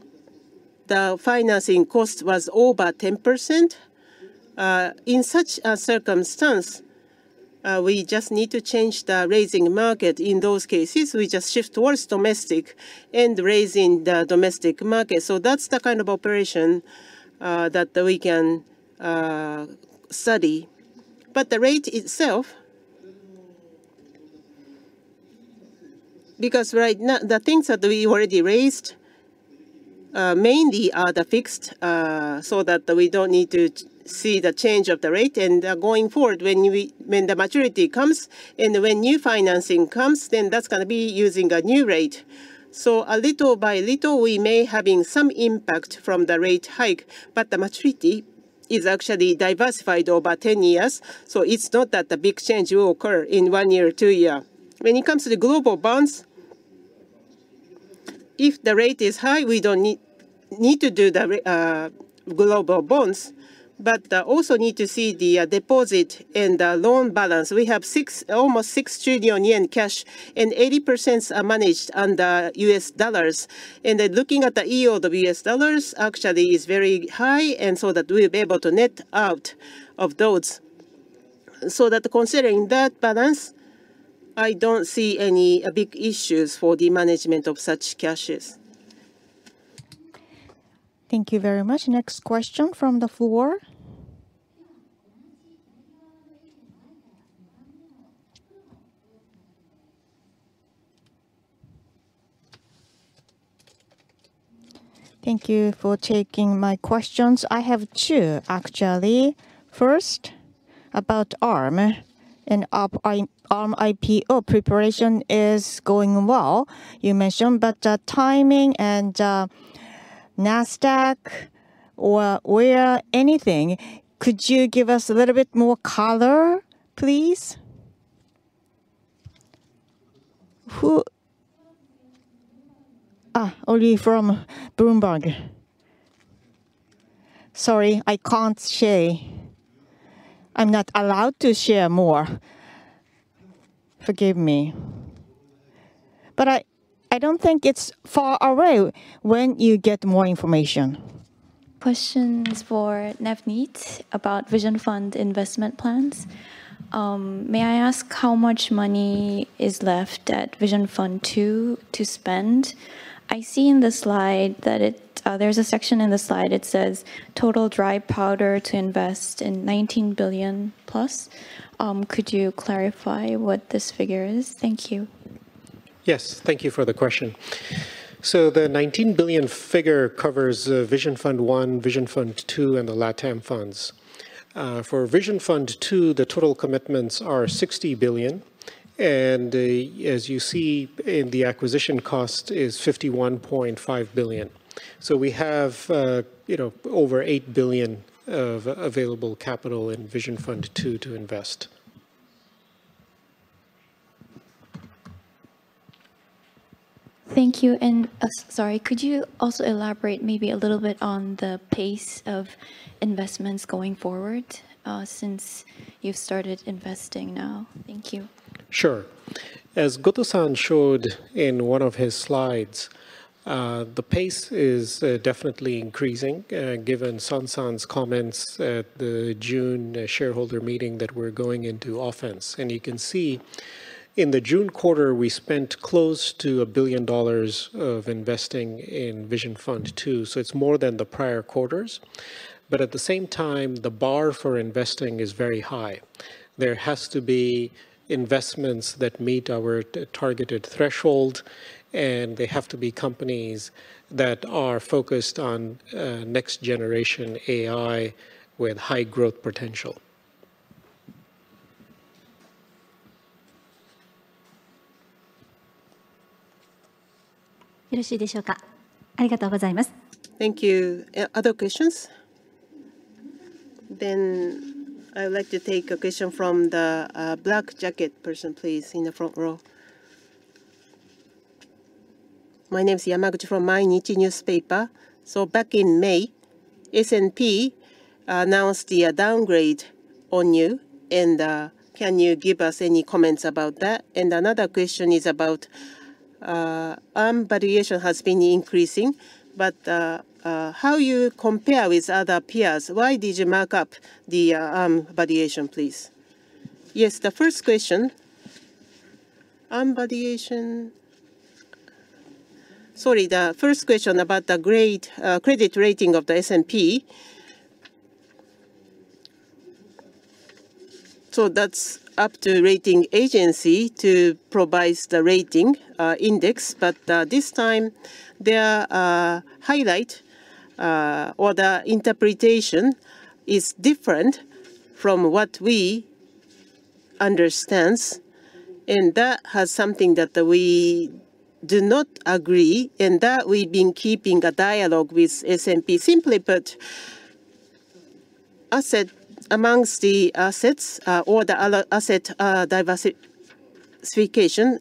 the financing cost was over 10%. In such a circumstance, we just need to change the raising market. In those cases, we just shift towards domestic and raising the domestic market. That's the kind of operation that we can study. The rate itself. Right now, the things that we already raised mainly are the fixed, so that we don't need to see the change of the rate. Going forward, when the maturity comes and when new financing comes, then that's going to be using a new rate. A little by little, we may having some impact from the rate hike, but the maturity is actually diversified over 10 years, so it's not that the big change will occur in 1 year or 2 years. When it comes to the global bonds, if the rate is high, we don't need to do the global bonds, but also need to see the deposit and the loan balance. We have almost 6 trillion yen cash. 80% are managed under US dollars. Looking at the EO of US dollars actually is very high, so that we'll be able to net out of those. Considering that balance, I don't see any big issues for the management of such cashes. Thank you very much. Next question from the floor. Thank you for taking my questions. I have two, actually. First, about Arm IPO preparation is going well, you mentioned, but the timing and Nasdaq or where, anything, could you give us a little bit more color, please? Oli from Bloomberg. Sorry, I can't share. I'm not allowed to share more. Forgive me. I, I don't think it's far away when you get more information. Questions for Navneet about Vision Fund investment plans. May I ask how much money is left at Vision Fund II to spend? I see in the slide that there's a section in the slide, it says, "Total dry powder to invest in $19 billion+." Could you clarify what this figure is? Thank you. Yes. Thank you for the question. The $19 billion figure covers Vision Fund I, Vision Fund II, and the Latin America Funds. For Vision Fund II, the total commitments are $60 billion, and as you see in the acquisition cost is $51.5 billion. We have, you know, over $8 billion of available capital in Vision Fund II to invest. Thank you, and, sorry, could you also elaborate maybe a little bit on the pace of investments going forward, since you've started investing now? Thank you. Sure. As Goto-san showed in one of his slides, the pace is definitely increasing, given Son-san's comments at the June shareholder meeting that we're going into offense. You can see in the June quarter, we spent close to $1 billion of investing in Vision Fund II, so it's more than the prior quarters. At the same time, the bar for investing is very high. There has to be investments that meet our targeted threshold, and they have to be companies that are focused on next generation AI with high growth potential. Thank you. Other questions? I would like to take a question from the black jacket person, please, in the front row. My name is Yamaguchi from Mainichi Newspaper. Back in May, S&P announced the downgrade on you, and can you give us any comments about that? Another question is about Arm valuation has been increasing, but how you compare with other peers? Why did you mark up the Arm valuation, please? Yes, the first question. Arm valuation... Sorry, the first question about the grade, credit rating of the S&P. That's up to rating agency to provide the rating index, but this time their highlight or the interpretation is different from what we understands, and that has something that we do not agree, and that we've been keeping a dialogue with S&P. Simply put, asset amongst the assets, or the other asset, diversification,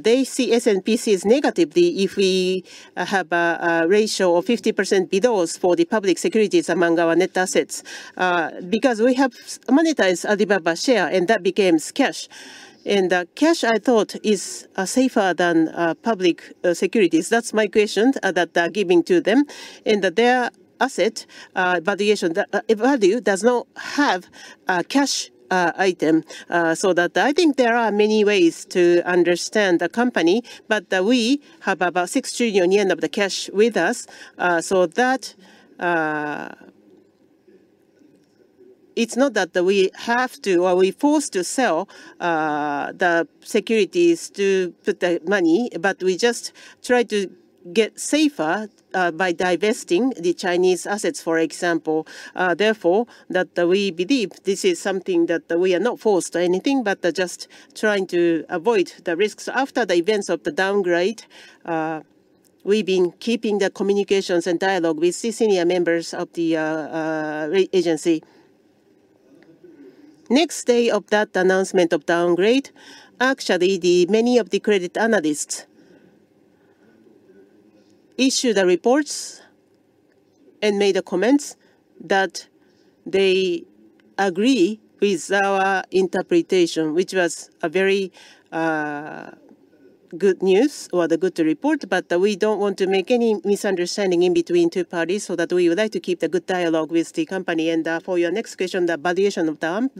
they see S&P sees negatively if we have a ratio of 50% below for the public securities among our net assets. We have monetized Alibaba share, and that becomes cash. Cash, I thought, is safer than public securities. That's my question that I giving to them. Their asset valuation value does not have a cash item. That I think there are many ways to understand the company, but we have about 6 trillion yen of the cash with us. It's not that we have to or we forced to sell the securities to put the money, but we just try to get safer by divesting the Chinese assets, for example. Therefore, that we believe this is something that we are not forced or anything, but just trying to avoid the risks. After the events of the downgrade, we've been keeping the communications and dialogue with the senior members of the agency. Next day of that announcement of downgrade, actually, the many of the credit analysts issued the reports and made the comments that they agree with our interpretation, which was a very good news or the good report. We don't want to make any misunderstanding in between two parties, so that we would like to keep the good dialogue with the company. For your next question, the valuation of the Arm,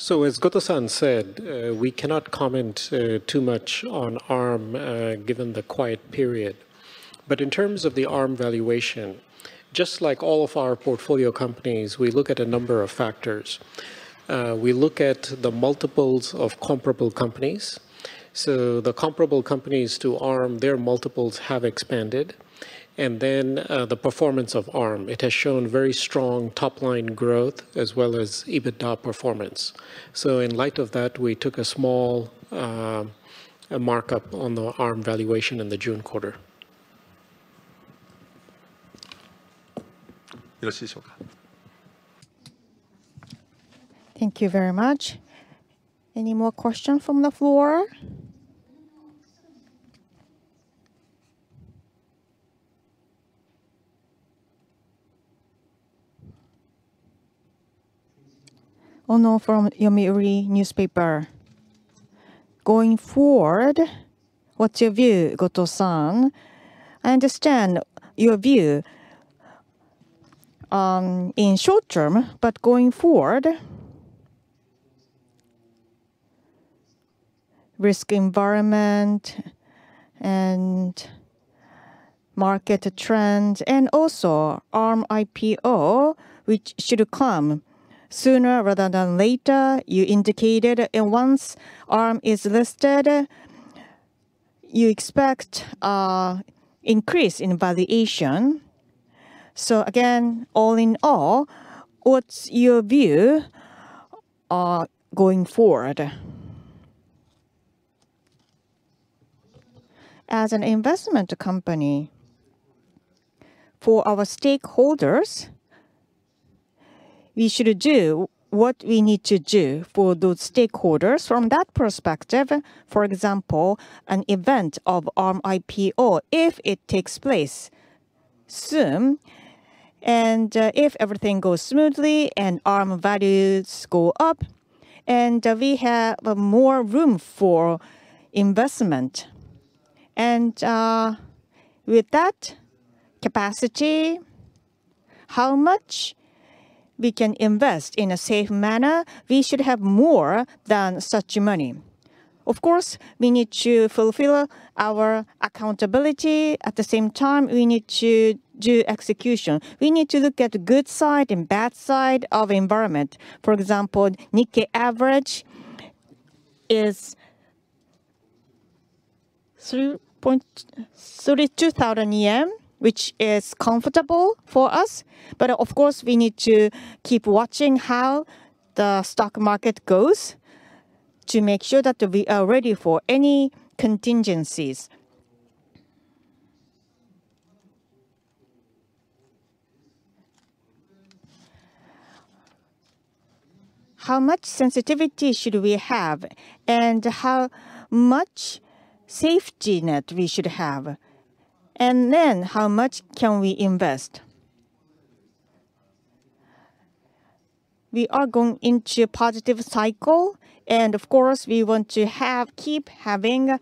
Navneet? As Goto-san said, we cannot comment too much on Arm, given the quiet period. In terms of the Arm valuation, just like all of our portfolio companies, we look at a number of factors. We look at the multiples of comparable companies. The comparable companies to Arm, their multiples have expanded, and then the performance of Arm. It has shown very strong top-line growth as well as EBITDA performance. In light of that, we took a small a markup on the Arm valuation in the June quarter. Thank you very much. Any more question from the floor? Going forward, what's your view, Goto-san? I understand your view, in short term, but going forward, risk environment and market trend, and also Arm IPO, which should come sooner rather than later, you indicated. Once Arm is listed, you expect an increase in valuation. Again, all in all, what's your view, going forward? As an investment company, for our stakeholders, we should do what we need to do for those stakeholders. From that perspective, for example, an event of Arm IPO, if it takes place soon, if everything goes smoothly and Arm values go up, we have more room for investment. With that capacity, how much we can invest in a safe manner? We should have more than such money. Of course, we need to fulfill our accountability. At the same time, we need to do execution. We need to look at the good side and bad side of environment. For example, Nikkei average 32,000 yen, which is comfortable for us. Of course, we need to keep watching how the stock market goes to make sure that we are ready for any contingencies. How much sensitivity should we have? How much safety net we should have? Then how much can we invest? We are going into a positive cycle, and of course, we want to have, keep having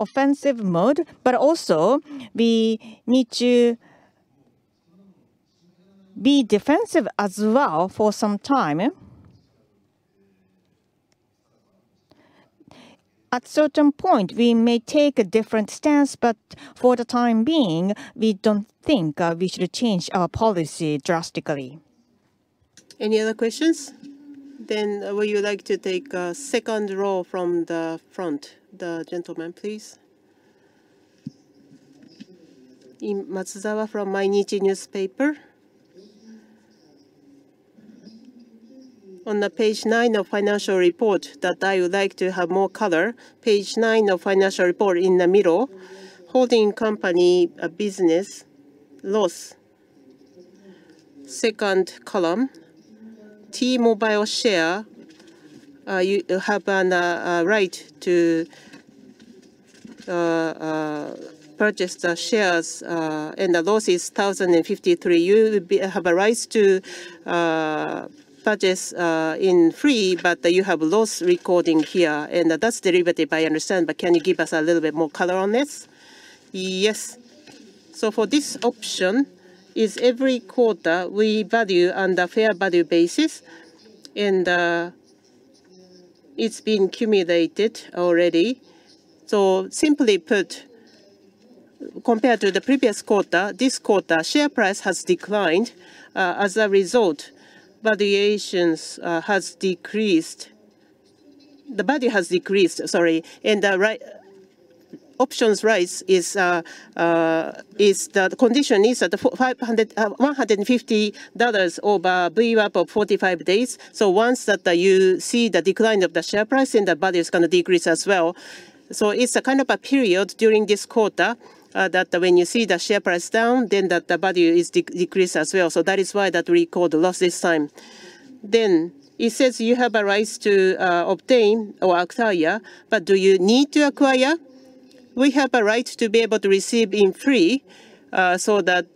offensive mode, but also we need to be defensive as well for some time. At certain point, we may take a different stance, but for the time being, we don't think we should change our policy drastically. Any other questions? Would you like to take, second row from the front, the gentleman, please. Matsuzawa from Mainichi Newspaper. On page 9 of financial report that I would like to have more color. Page 9 of financial report in the middle, holding company business loss. Second column, T-Mobile share, you, you have a right to purchase the shares, and the loss is 1,053. You have a right to purchase in free, but you have loss recording here, and that's derivative, I understand, but can you give us a little bit more color on this? Yes. For this option is every quarter we value on the fair value basis, and it's been cumulated already. Simply put, compared to the previous quarter, this quarter, share price has declined. As a result, valuations has decreased. The value has decreased, sorry. The options rights is the condition is at the 500, $150 over VWAP of 45 days. Once that you see the decline of the share price, then the value is going to decrease as well. It's a kind of a period during this quarter that when you see the share price down, then the, the value is decreased as well. That is why that we record the loss this time. It says you have a right to obtain or acquire, but do you need to acquire? We have a right to be able to receive in free, so that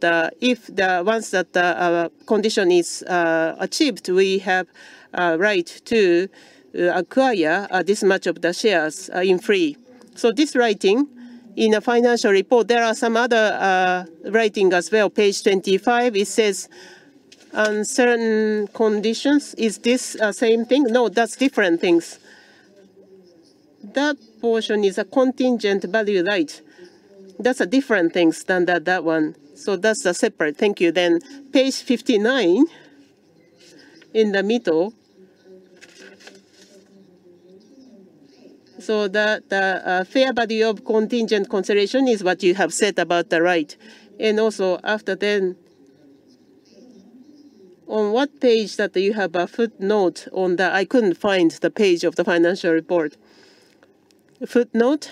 once the condition is achieved, we have a right to acquire this much of the shares in free. This writing in the financial report, there are some other writing as well. Page 25, it says on certain conditions. Is this same thing? No, that's different things. That portion is a Contingent Value Right? That's a different things than that, that one. That's a separate. Thank you then. Page 59 in the middle. The, the fair value of contingent consideration is what you have said about the right. Also after then, on what page that you have a footnote on that? I couldn't find the page of the financial report. Footnote?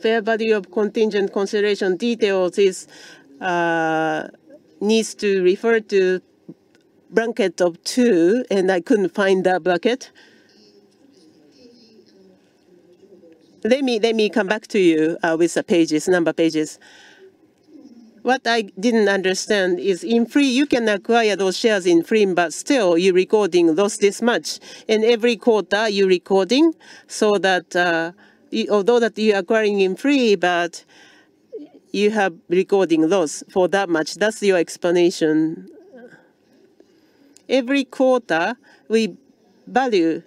Fair value of contingent consideration. Details is needs to refer to bracket of two, and I couldn't find that bracket. Let me, let me come back to you with the pages, number of pages. What I didn't understand is in free, you can acquire those shares in free, but still you're recording loss this much. In every quarter, you're recording, so that, although that you are acquiring in free, but you have recording loss for that much. That's your explanation. Every quarter, we value...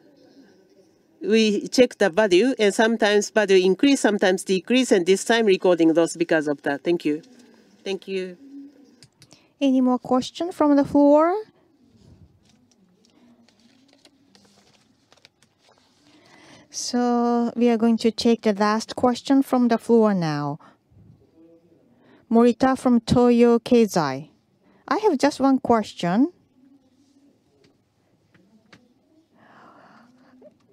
We check the value, and sometimes value increase, sometimes decrease, and this time recording loss because of that. Thank you. Thank you. Any more question from the floor? We are going to take the last question from the floor now. Morita from Toyo Keizai. I have just one question.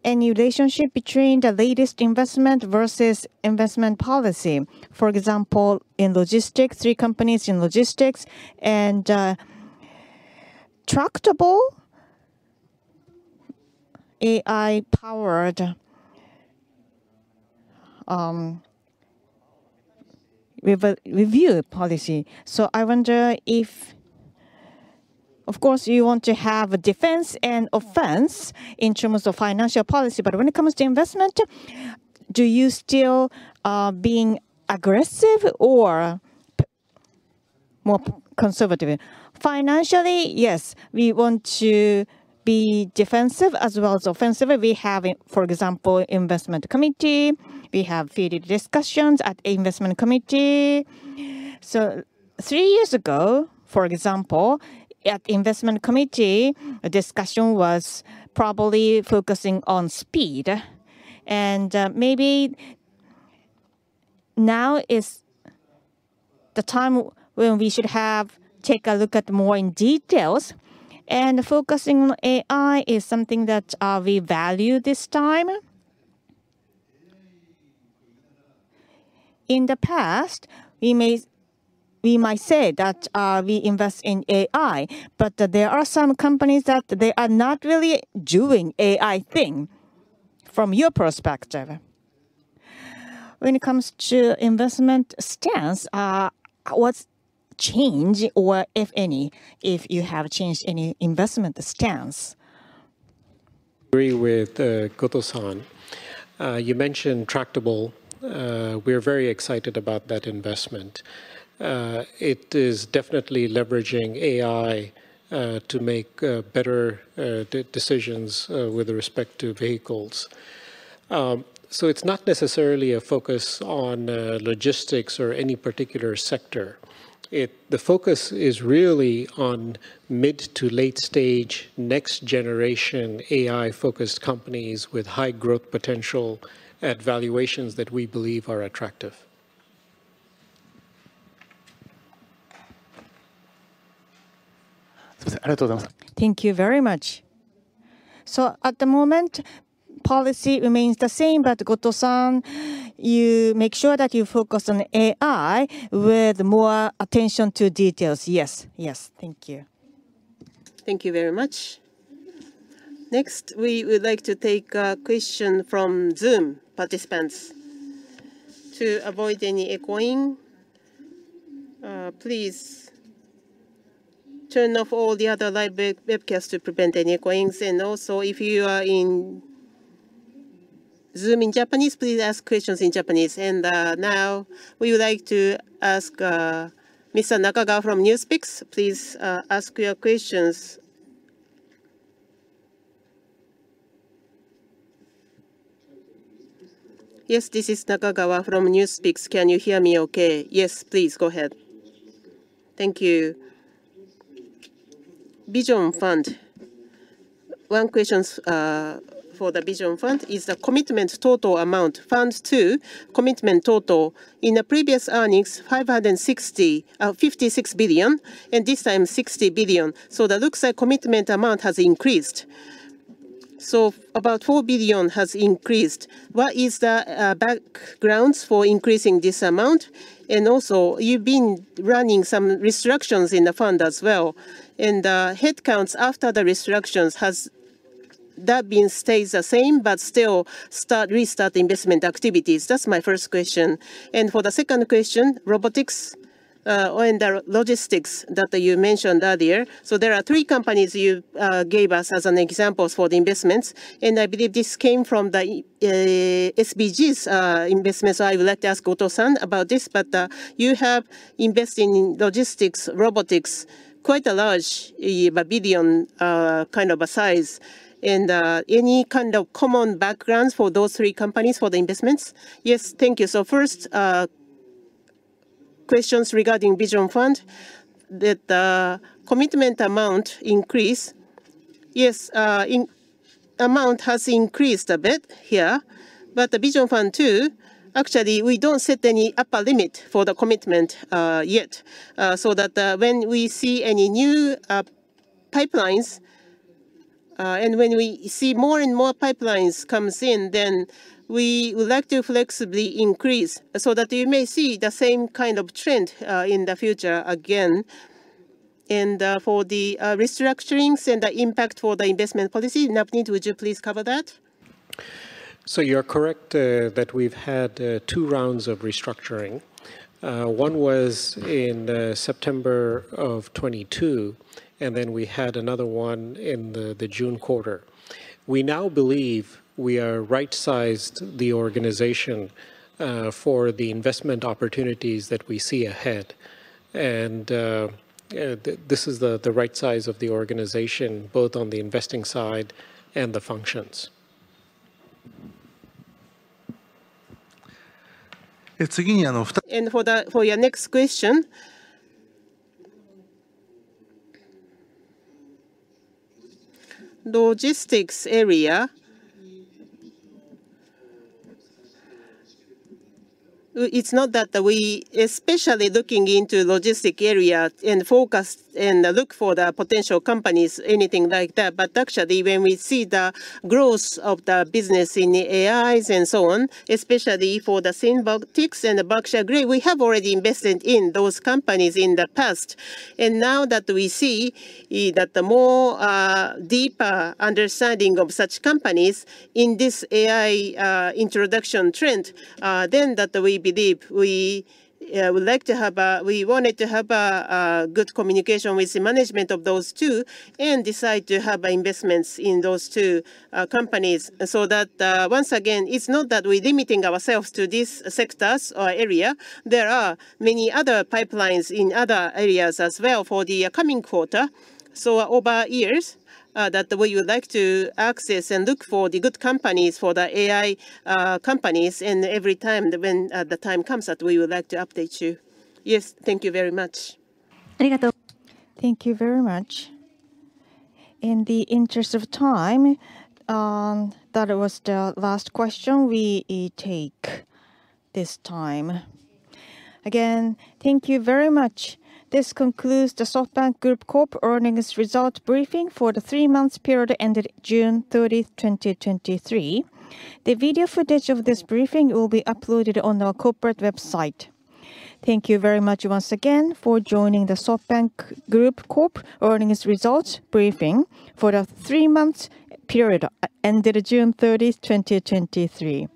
Any relationship between the latest investment versus investment policy, for example, in logistics, three companies in logistics and Tractable AI-powered review policy? I wonder if, of course, you want to have a defense and offense in terms of financial policy, but when it comes to investment, do you still being aggressive or more conservative? Financially, yes. We want to be defensive as well as offensive. We have in, for example, investment committee. We have vivid discussions at investment committee. 3 years ago, for example, at investment committee, a discussion was probably focusing on speed. Maybe now is the time when we should have take a look at more in details, and focusing on AI is something that we value this time. In the past, we may, we might say that we invest in AI, but there are some companies that they are not really doing AI thing from your perspective. When it comes to investment stance, what's changed, or if any, if you have changed any investment stance? Agree with Goto-san. You mentioned Tractable. We're very excited about that investment. It is definitely leveraging AI to make better decisions with respect to vehicles. It's not necessarily a focus on logistics or any particular sector. The focus is really on mid to late stage, next generation AI-focused companies with high growth potential at valuations that we believe are attractive. Thank you very much. At the moment, policy remains the same, but Goto-san, you make sure that you focus on AI with more attention to details. Yes, yes. Thank you. Thank you very much. Next, we would like to take a question from Zoom participants. To avoid any echoing, please turn off all the other live webcasts to prevent any echoings. Also, if you are in Zoom in Japanese, please ask questions in Japanese. Now we would like to ask Mr. Nakagawa from NewsPicks, please ask your questions. Yes, this is Nakagawa from NewsPicks. Can you hear me okay? Yes, please go ahead. Thank you. Vision Fund. One questions, for the Vision Fund is the commitment total amount, funds to commitment total. In the previous earnings, 560, 56 billion, and this time 60 billion. That looks like commitment amount has increased. About 4 billion has increased. What is the backgrounds for increasing this amount? Also, you've been running some restructurings in the fund as well, and headcounts after the restructurings, has that been stays the same but still start, restart investment activities? That's my first question. For the second question, robotics and the logistics that you mentioned earlier. There are three companies you gave us as an examples for the investments, and I believe this came from the SBG's investment. I would like to ask Goto-san about this. You have invested in logistics, robotics, quite a large JPY billion kind of a size. Any kind of common backgrounds for those three companies for the investments? Yes. Thank you. First, questions regarding Vision Fund, that the commitment amount increase. Yes, amount has increased a bit here, but the Vision Fund II, actually, we don't set any upper limit for the commitment yet. So that, when we see any new pipelines, and when we see more and more pipelines comes in, then we would like to flexibly increase so that you may see the same kind of trend in the future again. For the restructurings and the impact for the investment policy, Navneet, would you please cover that? You're correct that we've had 2 rounds of restructuring. One was in September of 2022, and then we had another one in the June quarter. We now believe we are right-sized the organization for the investment opportunities that we see ahead. This is the right size of the organization, both on the investing side and the functions. For your next question. Logistics area, it's not that we especially looking into logistic area and focus and look for the potential companies, anything like that, but actually when we see the growth of the business in the AIs and so on, especially for the Symbotic and Berkshire Grey, we have already invested in those companies in the past. Now that we see that the more deeper understanding of such companies in this AI introduction trend, then that we believe we would like to have a, a good communication with the management of those two and decide to have investments in those two companies. Once again, it's not that we're limiting ourselves to these sectors or area. There are many other pipelines in other areas as well for the upcoming quarter. Over years, that we would like to access and look for the good companies, for the AI companies, and every time when the time comes that we would like to update you. Yes, thank you very much. Thank you very much. In the interest of time, that was the last question we take this time. Again, thank you very much. This concludes the SoftBank Group Corp earnings result briefing for the three-months period ended June 30th, 2023. The video footage of this briefing will be uploaded on our corporate website. Thank you very much once again for joining the SoftBank Group Corp earnings results briefing for the three-months period ended June 30th, 2023.